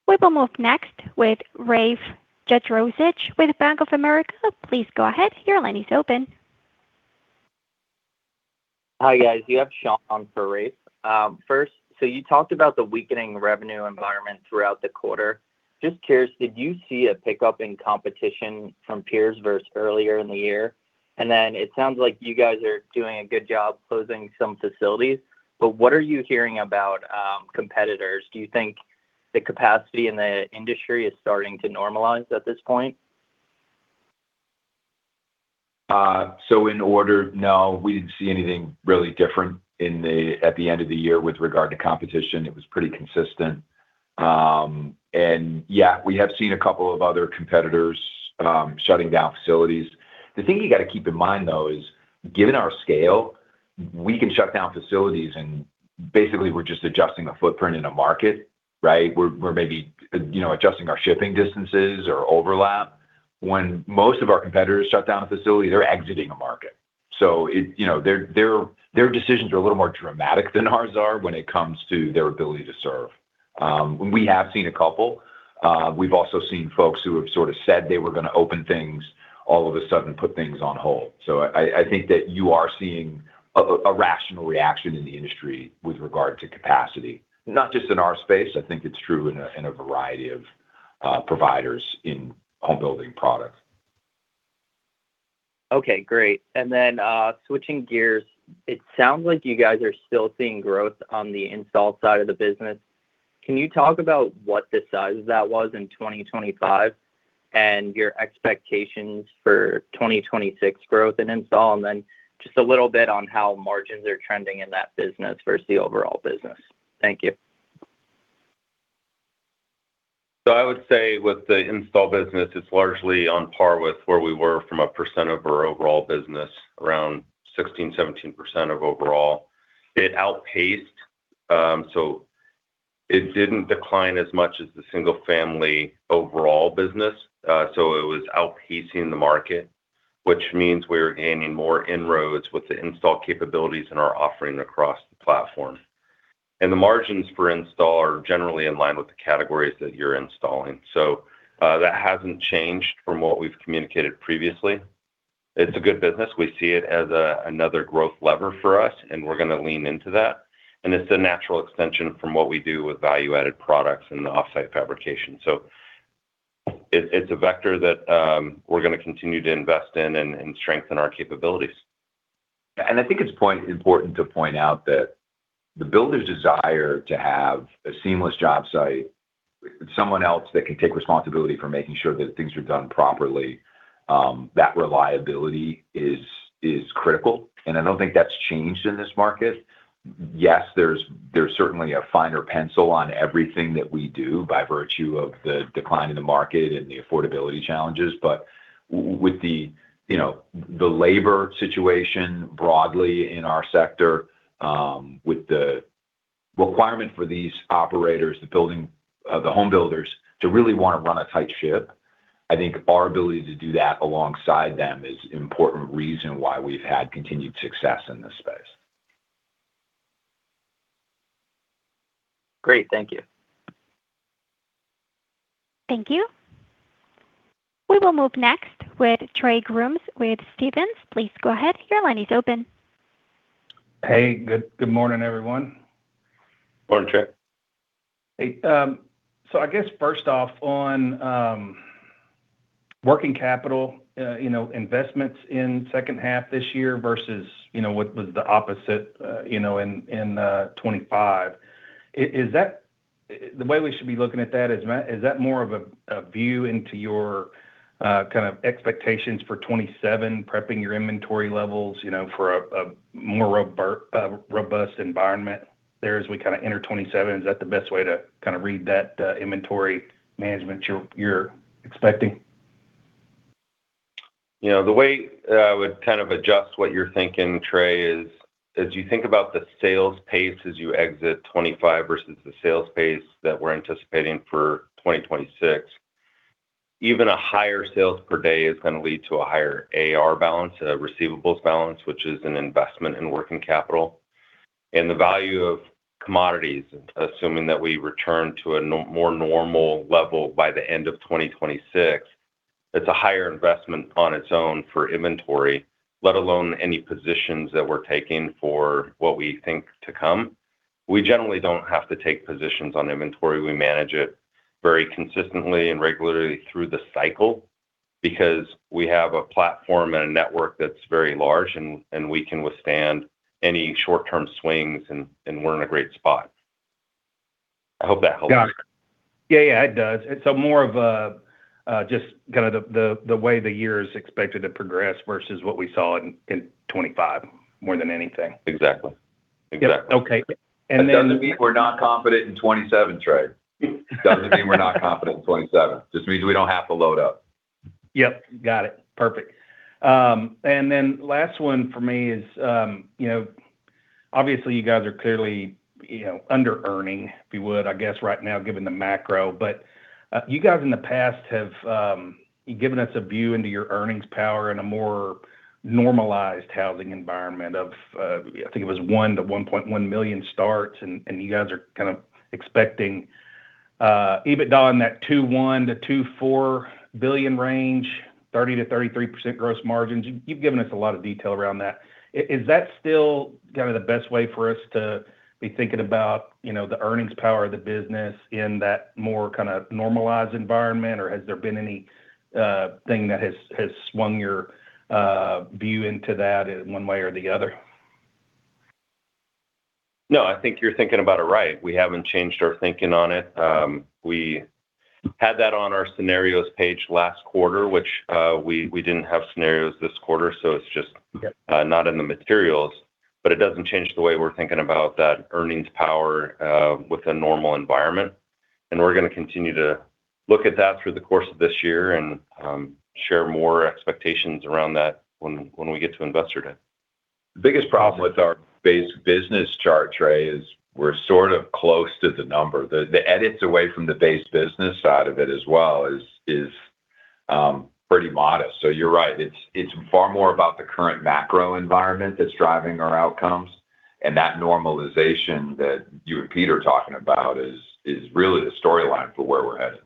We will move next with Rafe Jadrosich with Bank of America. Please go ahead. Your line is open. Hi, guys. You have Sean for Rafe. First, so you talked about the weakening revenue environment throughout the quarter. Just curious, did you see a pickup in competition from peers versus earlier in the year? And then it sounds like you guys are doing a good job closing some facilities, but what are you hearing about competitors? Do you think the capacity in the industry is starting to normalize at this point? So in order, no, we didn't see anything really different at the end of the year with regard to competition. It was pretty consistent. And yeah, we have seen a couple of other competitors shutting down facilities. The thing you got to keep in mind, though, is given our scale, we can shut down facilities, and basically, we're just adjusting the footprint in a market, right? We're maybe, you know, adjusting our shipping distances or overlap. When most of our competitors shut down a facility, they're exiting a market. So it, you know, their decisions are a little more dramatic than ours are when it comes to their ability to serve. We have seen a couple, we've also seen folks who have sort of said they were gonna open things all of a sudden put things on hold. I think that you are seeing a rational reaction in the industry with regard to capacity, not just in our space. I think it's true in a variety of providers in home building products. Okay, great. Then, switching gears, it sounds like you guys are still seeing growth on the install side of the business. Can you talk about what the size of that was in 2025 and your expectations for 2026 growth in install? And then just a little bit on how margins are trending in that business versus the overall business. Thank you. So I would say with the install business, it's largely on par with where we were from a percent of our overall business, around 16%-17% of overall. It outpaced, so it didn't decline as much as the single-family overall business. So it was outpacing the market, which means we're gaining more inroads with the install capabilities and our offering across the platform. And the margins for install are generally in line with the categories that you're installing. So, that hasn't changed from what we've communicated previously. It's a good business. We see it as another growth lever for us, and we're gonna lean into that. And it's a natural extension from what we do with value-added products and off-site fabrication. So it's a vector that, we're gonna continue to invest in and strengthen our capabilities. And I think it's important to point out that the builders desire to have a seamless job site with someone else that can take responsibility for making sure that things are done properly, that reliability is critical. And I don't think that's changed in this market. Yes, there's certainly a finer pencil on everything that we do by virtue of the decline in the market and the affordability challenges, but with the, you know, the labor situation broadly in our sector, with the requirement for these operators, the building, the home builders, to really want to run a tight ship, I think our ability to do that alongside them is important reason why we've had continued success in this space. Great. Thank you. Thank you. We will move next with Trey Grooms with Stephens. Please go ahead. Your line is open. Hey, good, good morning, everyone. Morning, Trey. Hey, so I guess first off, on working capital, you know, investments in second half this year versus, you know, what was the opposite, you know, in 2025. Is that the way we should be looking at that? Is that more of a view into your kind of expectations for 2027, prepping your inventory levels, you know, for a more robust environment there as we kind of enter 2027? Is that the best way to kind of read that inventory management you're expecting? You know, the way I would kind of adjust what you're thinking, Trey, is as you think about the sales pace as you exit 2025 versus the sales pace that we're anticipating for 2026, even a higher sales per day is gonna lead to a higher AR balance, a receivables balance, which is an investment in working capital. And the value of commodities, assuming that we return to a more normal level by the end of 2026, it's a higher investment on its own for inventory, let alone any positions that we're taking for what we think to come. We generally don't have to take positions on inventory. We manage it very consistently and regularly through the cycle because we have a platform and a network that's very large, and we can withstand any short-term swings, and we're in a great spot. I hope that helps. Got it. Yeah, yeah, it does. It's more of a just kind of the way the year is expected to progress versus what we saw in 2025, more than anything. Exactly. Exactly. Okay. And then- That doesn't mean we're not confident in 2027, Trey. It doesn't mean we're not confident in 2027. Just means we don't have to load up. Yep, got it. Perfect. And then last one for me is, you know, obviously, you guys are clearly, you know, underearning, if you would, I guess, right now, given the macro. But, you guys in the past have given us a view into your earnings power in a more normalized housing environment of, I think it was 1 million-1.1 million starts, and you guys are kind of expecting EBITDA in that $2.1 billion-$2.4 billion range, 30%-33% gross margins. You've given us a lot of detail around that. Is that still kind of the best way for us to be thinking about, you know, the earnings power of the business in that more kind of normalized environment? Or has there been anything that has swung your view into that in one way or the other? No, I think you're thinking about it right. We haven't changed our thinking on it. We had that on our scenarios page last quarter, which we didn't have scenarios this quarter, so it's just- Yep.... not in the materials, but it doesn't change the way we're thinking about that earnings power, with a normal environment. We're gonna continue to look at that through the course of this year and, share more expectations around that when we get to Investor Day. The biggest problem with our base business chart, Trey, is we're sort of close to the number. The edits away from the base business side of it, as well, is pretty modest. So you're right, it's far more about the current macro environment that's driving our outcomes, and that normalization that you and Peter are talking about is really the storyline for where we're headed.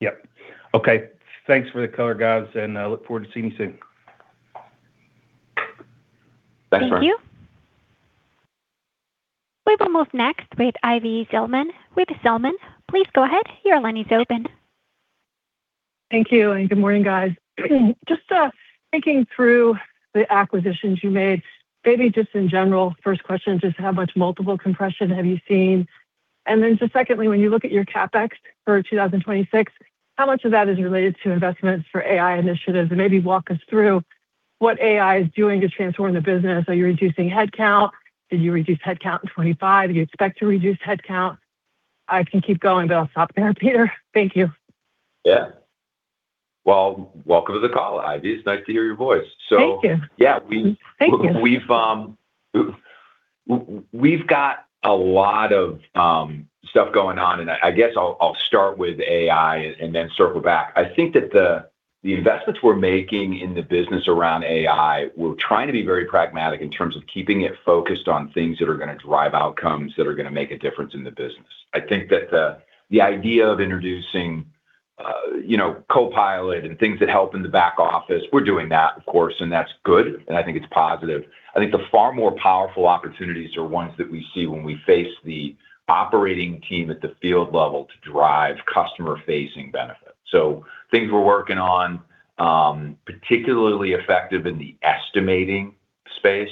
Yep. Okay. Thanks for the color, guys, and I look forward to seeing you soon. Thanks, Trey. Thank you. We will move next with Ivy Zelman. We have Zelman. Please go ahead. Your line is open. Thank you, and good morning, guys. Just thinking through the acquisitions you made, maybe just in general, first question, just how much multiple compression have you seen? And then just secondly, when you look at your CapEx for 2026, how much of that is related to investments for AI initiatives? And maybe walk us through what AI is doing to transform the business. Are you reducing headcount? Did you reduce headcount in 2025? Do you expect to reduce headcount? I can keep going, but I'll stop there, Peter. Thank you. Yeah. Well, welcome to the call, Ivy. It's nice to hear your voice. Thank you. So yeah, we- Thank you.... we've got a lot of stuff going on, and I guess I'll start with AI and then circle back. I think that the investments we're making in the business around AI, we're trying to be very pragmatic in terms of keeping it focused on things that are gonna drive outcomes, that are gonna make a difference in the business. I think that the idea of introducing, you know, Copilot and things that help in the back office, we're doing that, of course, and that's good, and I think it's positive. I think the far more powerful opportunities are ones that we see when we face the operating team at the field level to drive customer-facing benefits. So things we're working on, particularly effective in the estimating space,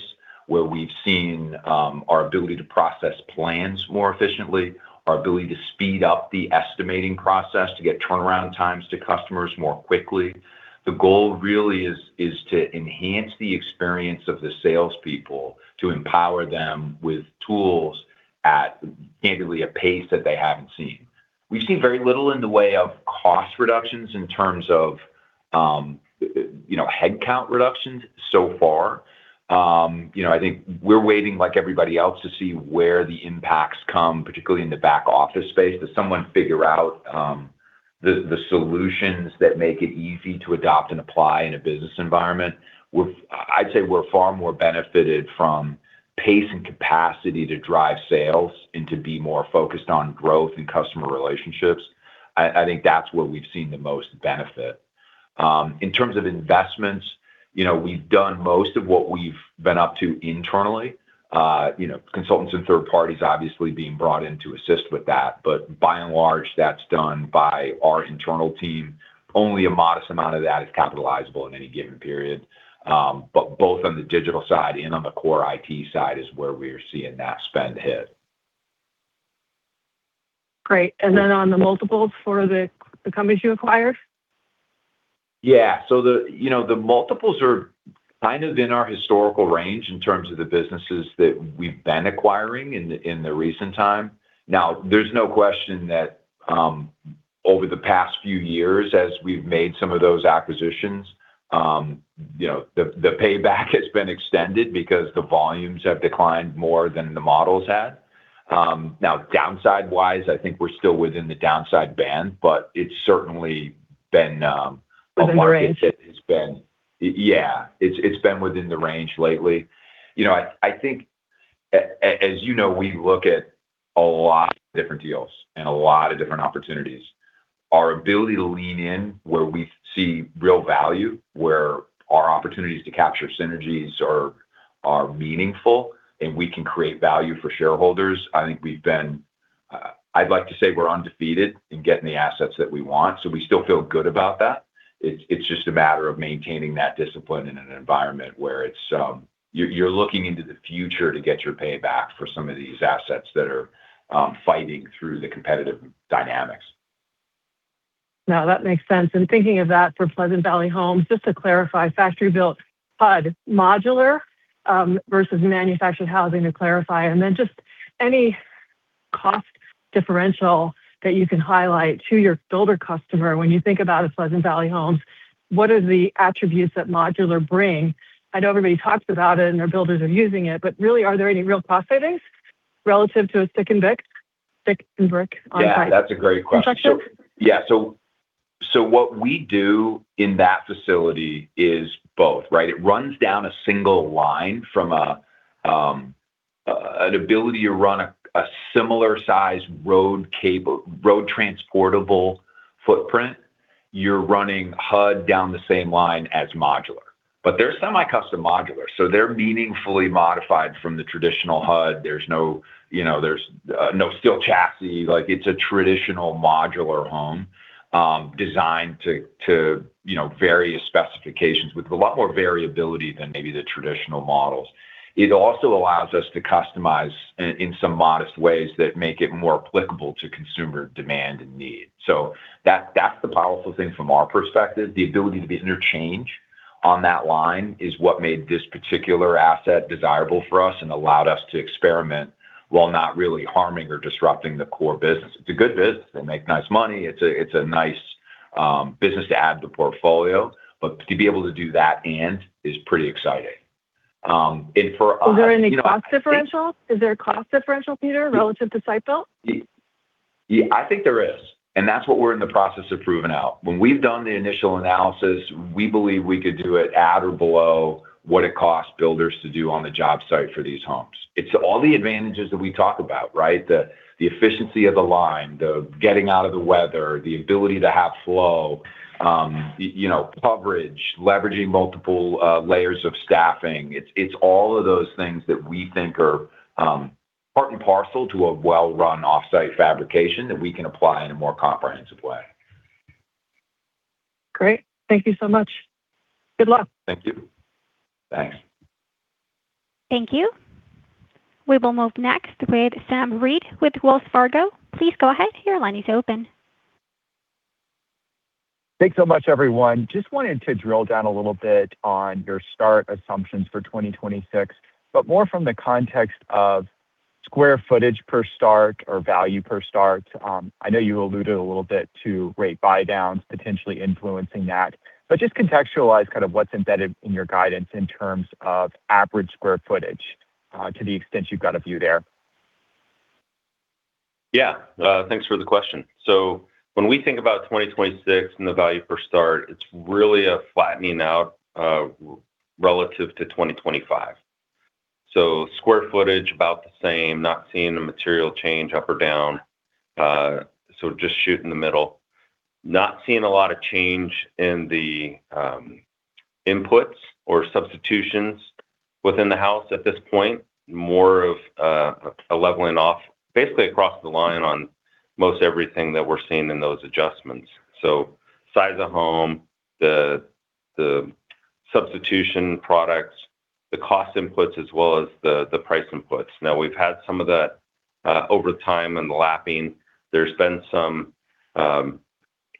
where we've seen our ability to process plans more efficiently, our ability to speed up the estimating process, to get turnaround times to customers more quickly. The goal really is to enhance the experience of the salespeople, to empower them with tools at handily a pace that they haven't seen. We've seen very little in the way of cost reductions in terms of, you know, headcount reductions so far. I think we're waiting, like everybody else, to see where the impacts come, particularly in the back office space, to someone figure out the solutions that make it easy to adopt and apply in a business environment. I'd say we're far more benefited from pace and capacity to drive sales and to be more focused on growth and customer relationships. I think that's where we've seen the most benefit. In terms of investments, you know, we've done most of what we've been up to internally. You know, consultants and third parties obviously being brought in to assist with that, but by and large, that's done by our internal team. Only a modest amount of that is capitalizable in any given period. But both on the digital side and on the core IT side is where we are seeing that spend hit. Great. And then on the multiples for the companies you acquired? Yeah. So the, you know, the multiples are kind of in our historical range in terms of the businesses that we've been acquiring in the recent time. Now, there's no question that over the past few years, as we've made some of those acquisitions, you know, the payback has been extended because the volumes have declined more than the models had. Now, downside-wise, I think we're still within the downside band, but it's certainly been a market- Within range?... that has been. Yeah, it's been within the range lately. You know, I think as you know, we look at a lot of different deals and a lot of different opportunities.... Our ability to lean in where we see real value, where our opportunities to capture synergies are, are meaningful, and we can create value for shareholders. I think we've been, I'd like to say we're undefeated in getting the assets that we want, so we still feel good about that. It's, it's just a matter of maintaining that discipline in an environment where it's, you're, you're looking into the future to get your payback for some of these assets that are, fighting through the competitive dynamics. Now, that makes sense. And thinking of that for Pleasant Valley Homes, just to clarify, factory-built HUD modular versus manufactured housing, to clarify, and then just any cost differential that you can highlight to your builder customer. When you think about a Pleasant Valley Homes, what are the attributes that modular bring? I know everybody talks about it, and their builders are using it, but really, are there any real cost savings relative to a stick and brick, stick and brick on site- Yeah, that's a great question. Construction? Yeah. So what we do in that facility is both, right? It runs down a single line from an ability to run a similar-sized road-transportable footprint. You're running HUD down the same line as modular. But they're semi-custom modular, so they're meaningfully modified from the traditional HUD. There's no, you know, there's no steel chassis. Like, it's a traditional modular home, designed to you know various specifications with a lot more variability than maybe the traditional models. It also allows us to customize in some modest ways that make it more applicable to consumer demand and need. So that's the powerful thing from our perspective. The ability to be interchangeable on that line is what made this particular asset desirable for us and allowed us to experiment while not really harming or disrupting the core business. It's a good business. They make nice money. It's a nice business to add to the portfolio, but to be able to do that and is pretty exciting. And for us- Is there any cost differential? Is there a cost differential, Peter, relative to site build? Yeah, I think there is, and that's what we're in the process of proving out. When we've done the initial analysis, we believe we could do it at or below what it costs builders to do on the job site for these homes. It's all the advantages that we talk about, right? The efficiency of the line, the getting out of the weather, the ability to have flow, you know, coverage, leveraging multiple layers of staffing. It's all of those things that we think are part and parcel to a well-run off-site fabrication that we can apply in a more comprehensive way. Great. Thank you so much. Good luck. Thank you. Thanks. Thank you. We will move next with Sam Reid with Wells Fargo. Please go ahead. Your line is open. Thanks so much, everyone. Just wanted to drill down a little bit on your start assumptions for 2026, but more from the context of square footage per start or value per start. I know you alluded a little bit to rate buy downs potentially influencing that, but just contextualize kind of what's embedded in your guidance in terms of average square footage, to the extent you've got a view there. Yeah. Thanks for the question. So when we think about 2026 and the value per start, it's really a flattening out, relative to 2025. So square footage, about the same, not seeing a material change up or down. So just shooting in the middle. Not seeing a lot of change in the, inputs or substitutions within the house at this point. More of a leveling off, basically across the line on most everything that we're seeing in those adjustments. So size of home, the, the substitution products, the cost inputs, as well as the, the price inputs. Now, we've had some of that over time in the lapping. There's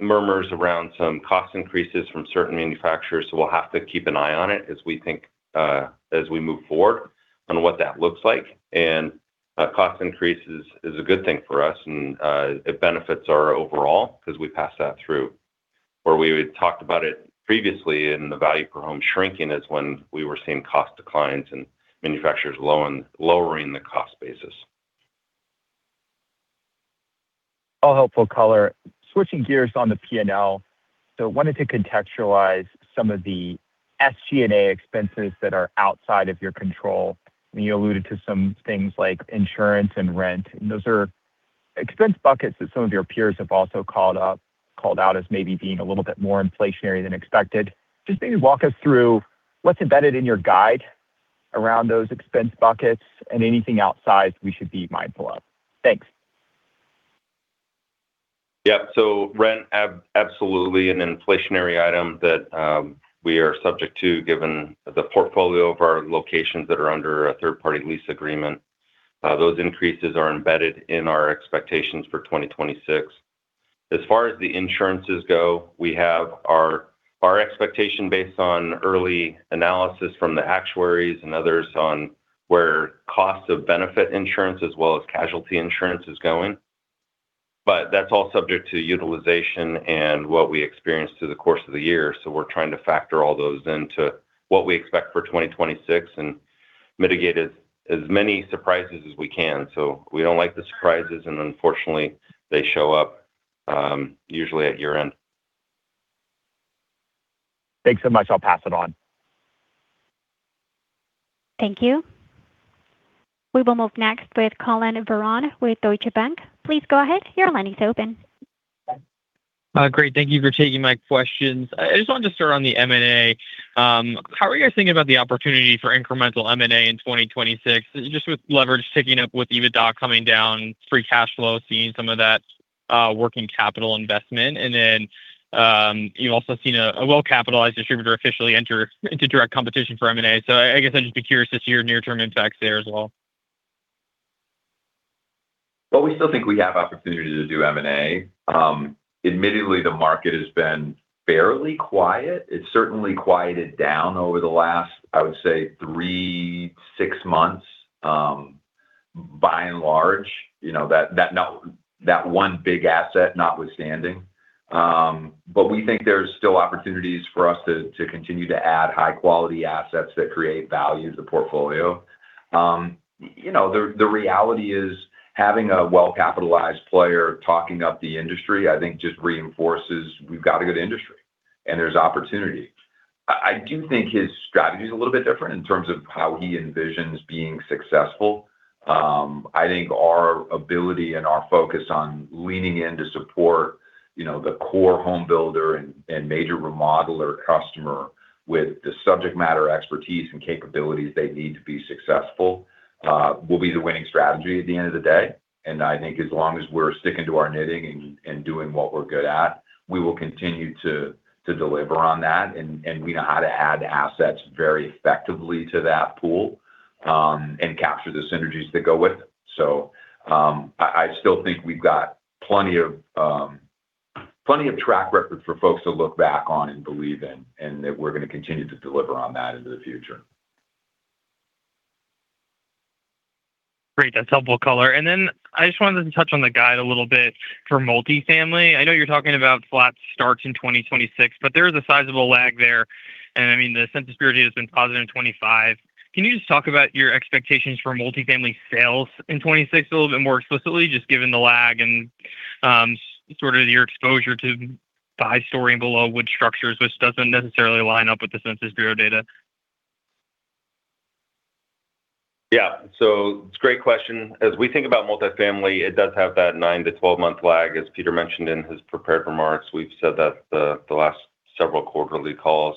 been some murmurs around some cost increases from certain manufacturers, so we'll have to keep an eye on it as we think, as we move forward on what that looks like. Cost increases is a good thing for us, and it benefits our overall 'cause we pass that through, or we talked about it previously in the value per home shrinking is when we were seeing cost declines and manufacturers lowering the cost basis. All helpful color. Switching gears on the P&L. So wanted to contextualize some of the SG&A expenses that are outside of your control. You alluded to some things like insurance and rent, and those are expense buckets that some of your peers have also called out as maybe being a little bit more inflationary than expected. Just maybe walk us through what's embedded in your guide around those expense buckets and anything outside we should be mindful of. Thanks. Yeah. So rent, absolutely an inflationary item that we are subject to, given the portfolio of our locations that are under a third-party lease agreement. Those increases are embedded in our expectations for 2026. As far as the insurances go, we have our expectation based on early analysis from the actuaries and others on where costs of benefit insurance as well as casualty insurance is going. But that's all subject to utilization and what we experience through the course of the year. So we're trying to factor all those into what we expect for 2026 and mitigate as many surprises as we can. So we don't like the surprises, and unfortunately, they show up usually at year-end. Thanks so much. I'll pass it on. Thank you. We will move next with Collin Verron with Deutsche Bank. Please go ahead. Your line is open. Great. Thank you for taking my questions. I just wanted to start on the M&A. How are you guys thinking about the opportunity for incremental M&A in 2026, just with leverage ticking up, with EBITDA coming down, free cash flow, seeing some of that, working capital investment? And then, you've also seen a well-capitalized distributor officially enter into direct competition for M&A. So I guess I'd just be curious to see your near-term impacts there as well. Well, we still think we have opportunity to do M&A. Admittedly, the market has been fairly quiet. It's certainly quieted down over the last, I would say, three-six months, by and large, you know, that one big asset notwithstanding. But we think there's still opportunities for us to continue to add high-quality assets that create value to the portfolio. You know, the reality is, having a well-capitalized player talking up the industry, I think just reinforces we've got a good industry and there's opportunity. I do think his strategy is a little bit different in terms of how he envisions being successful. I think our ability and our focus on leaning in to support, you know, the core home builder and major remodeler customer with the subject matter expertise and capabilities they need to be successful will be the winning strategy at the end of the day. And I think as long as we're sticking to our knitting and doing what we're good at, we will continue to deliver on that, and we know how to add assets very effectively to that pool and capture the synergies that go with it. I still think we've got plenty of track record for folks to look back on and believe in, and that we're going to continue to deliver on that into the future. Great. That's helpful color. Then I just wanted to touch on the guide a little bit for multifamily. I know you're talking about flat starts in 2026, but there is a sizable lag there, and, I mean, the Census Bureau data has been positive in 2025. Can you just talk about your expectations for multifamily sales in 2026 a little bit more explicitly, just given the lag and sort of your exposure to five-story and below wood structures, which doesn't necessarily line up with the Census Bureau data? Yeah. So it's a great question. As we think about multifamily, it does have that nine-12-month lag, as Peter mentioned in his prepared remarks. We've said that the last several quarterly calls.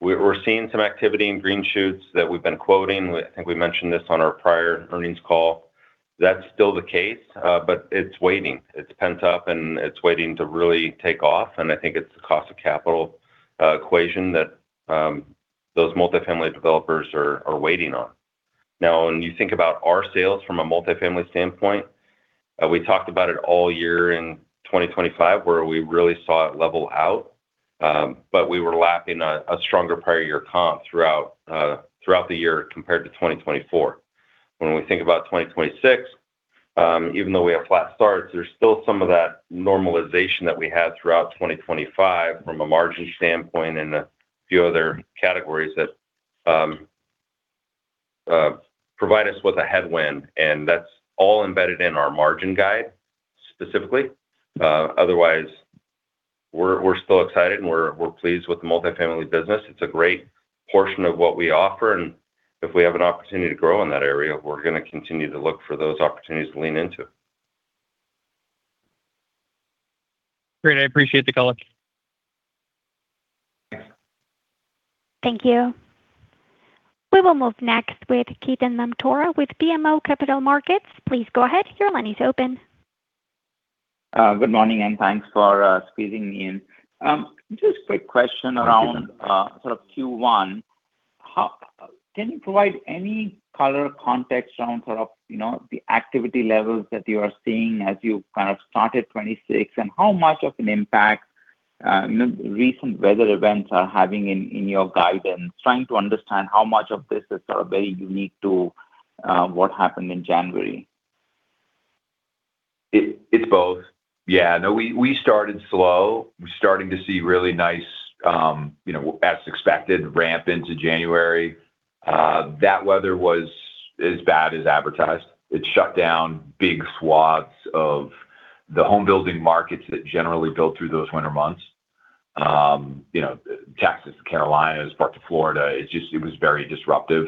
We're seeing some activity in green shoots that we've been quoting. I think we mentioned this on our prior earnings call. That's still the case, but it's waiting. It's pent up, and it's waiting to really take off, and I think it's the cost of capital equation that those multifamily developers are waiting on. Now, when you think about our sales from a multifamily standpoint, we talked about it all year in 2025, where we really saw it level out, but we were lacking a stronger prior year comp throughout throughout the year compared to 2024. When we think about 2026, even though we have flat starts, there's still some of that normalization that we had throughout 2025 from a margin standpoint and a few other categories that provide us with a headwind, and that's all embedded in our margin guide, specifically. Otherwise, we're still excited and we're pleased with the multifamily business. It's a great portion of what we offer, and if we have an opportunity to grow in that area, we're going to continue to look for those opportunities to lean into. Great. I appreciate the color. Thank you. We will move next with Ketan Mamtora with BMO Capital Markets. Please go ahead. Your line is open. Good morning, and thanks for squeezing me in. Just a quick question around- Thank you. Sort of Q1. How can you provide any color context around sort of, you know, the activity levels that you are seeing as you kind of started 2026, and how much of an impact the recent weather events are having in your guidance? Trying to understand how much of this is sort of very unique to what happened in January. It's both. Yeah. No, we started slow. We're starting to see really nice, you know, as expected, ramp into January. That weather was as bad as advertised. It shut down big swaths of the home building markets that generally build through those winter months. You know, Texas, Carolinas, parts of Florida, it just, it was very disruptive.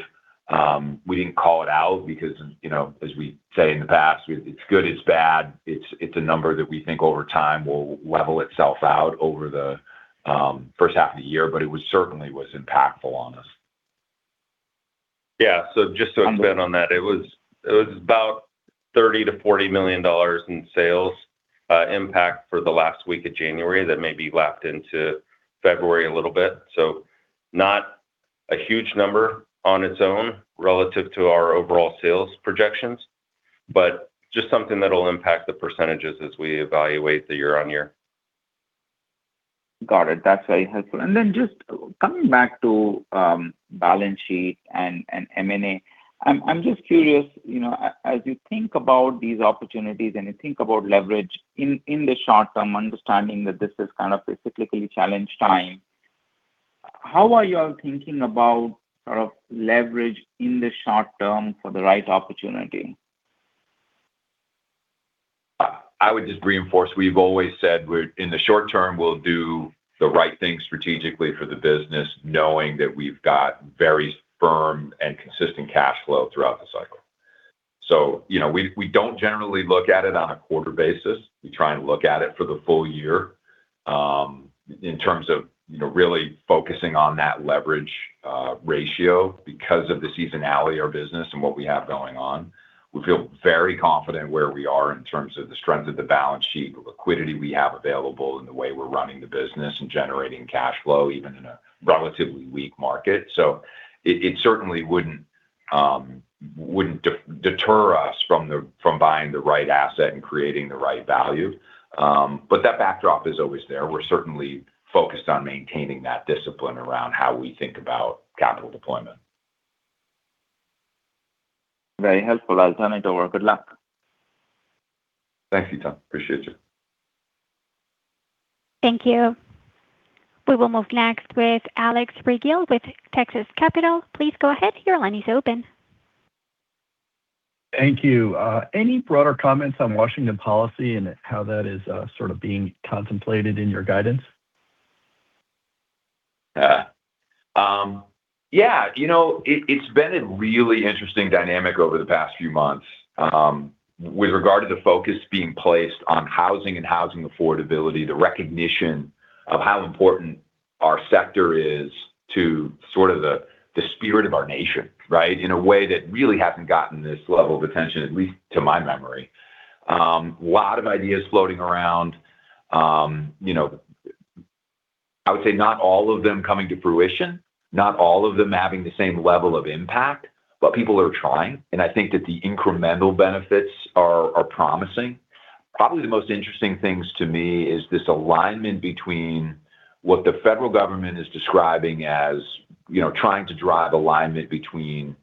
We didn't call it out because, you know, as we said in the past, it's good, it's bad. It's a number that we think over time will level itself out over the first half of the year, but it was certainly impactful on us. Yeah. So just to expand on that, it was about $30 million-$40 million in sales impact for the last week of January that may be lapped into February a little bit. So not a huge number on its own relative to our overall sales projections, but just something that will impact the percentages as we evaluate the year-on-year. Got it. That's very helpful. And then just coming back to balance sheet and M&A, I'm just curious, you know, as you think about these opportunities and you think about leverage in the short term, understanding that this is kind of a cyclically challenged time, how are you all thinking about sort of leverage in the short term for the right opportunity? I would just reinforce, we've always said we're, in the short term, we'll do the right thing strategically for the business, knowing that we've got very firm and consistent cash flow throughout the cycle. So, you know, we don't generally look at it on a quarter basis. We try and look at it for the full year, in terms of, you know, really focusing on that leverage ratio because of the seasonality of our business and what we have going on. We feel very confident where we are in terms of the strength of the balance sheet, the liquidity we have available, and the way we're running the business and generating cash flow, even in a relatively weak market. So it certainly wouldn't deter us from buying the right asset and creating the right value. That backdrop is always there. We're certainly focused on maintaining that discipline around how we think about capital deployment. Very helpful. I do well. Good luck. Thanks, Ketan. Appreciate you. Thank you. We will move next with Alex Rygiel with Texas Capital. Please go ahead. Your line is open. Thank you. Any broader comments on Washington policy and how that is, sort of being contemplated in your guidance? Yeah, you know, it's been a really interesting dynamic over the past few months with regard to the focus being placed on housing and housing affordability, the recognition of how important our sector is to sort of the spirit of our nation, right? In a way that really hasn't gotten this level of attention, at least to my memory. A lot of ideas floating around. You know, I would say not all of them coming to fruition, not all of them having the same level of impact, but people are trying, and I think that the incremental benefits are promising. Probably the most interesting things to me is this alignment between what the federal government is describing as, you know, trying to drive alignment between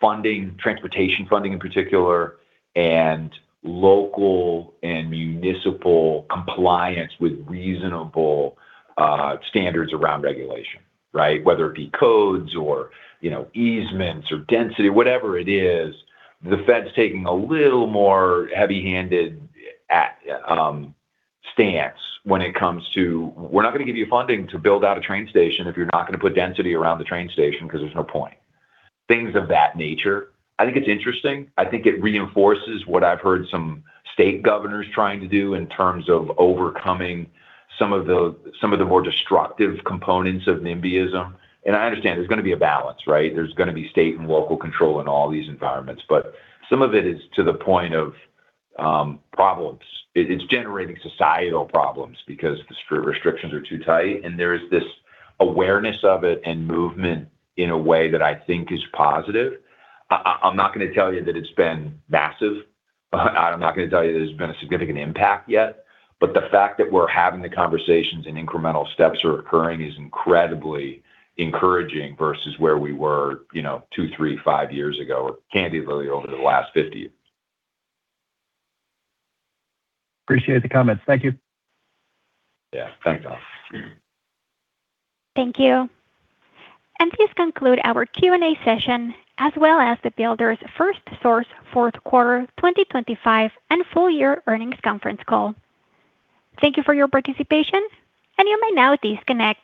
funding, transportation funding in particular, and local and municipal compliance with reasonable standards around regulation, right? Whether it be codes or, you know, easements or density. Whatever it is, the Fed's taking a little more heavy-handed stance when it comes to, "We're not gonna give you funding to build out a train station if you're not gonna put density around the train station because there's no point." Things of that nature. I think it's interesting. I think it reinforces what I've heard some state governors trying to do in terms of overcoming some of the—some of the more destructive components of NIMBYism. And I understand there's gonna be a balance, right? There's gonna be state and local control in all these environments, but some of it is to the point of problems. It, it's generating societal problems because the restrictions are too tight, and there is this awareness of it and movement in a way that I think is positive. I, I, I'm not gonna tell you that it's been massive. I'm not gonna tell you there's been a significant impact yet, but the fact that we're having the conversations and incremental steps are occurring is incredibly encouraging versus where we were, you know, two, three, five years ago, or candidly, over the last 50 years. Appreciate the comments. Thank you. Yeah. Thanks, Alex. Thank you. This concludes our Q&A session, as well as the Builders FirstSource Fourth Quarter 2025 and Full Year Earnings Conference Call. Thank you for your participation, and you may now disconnect.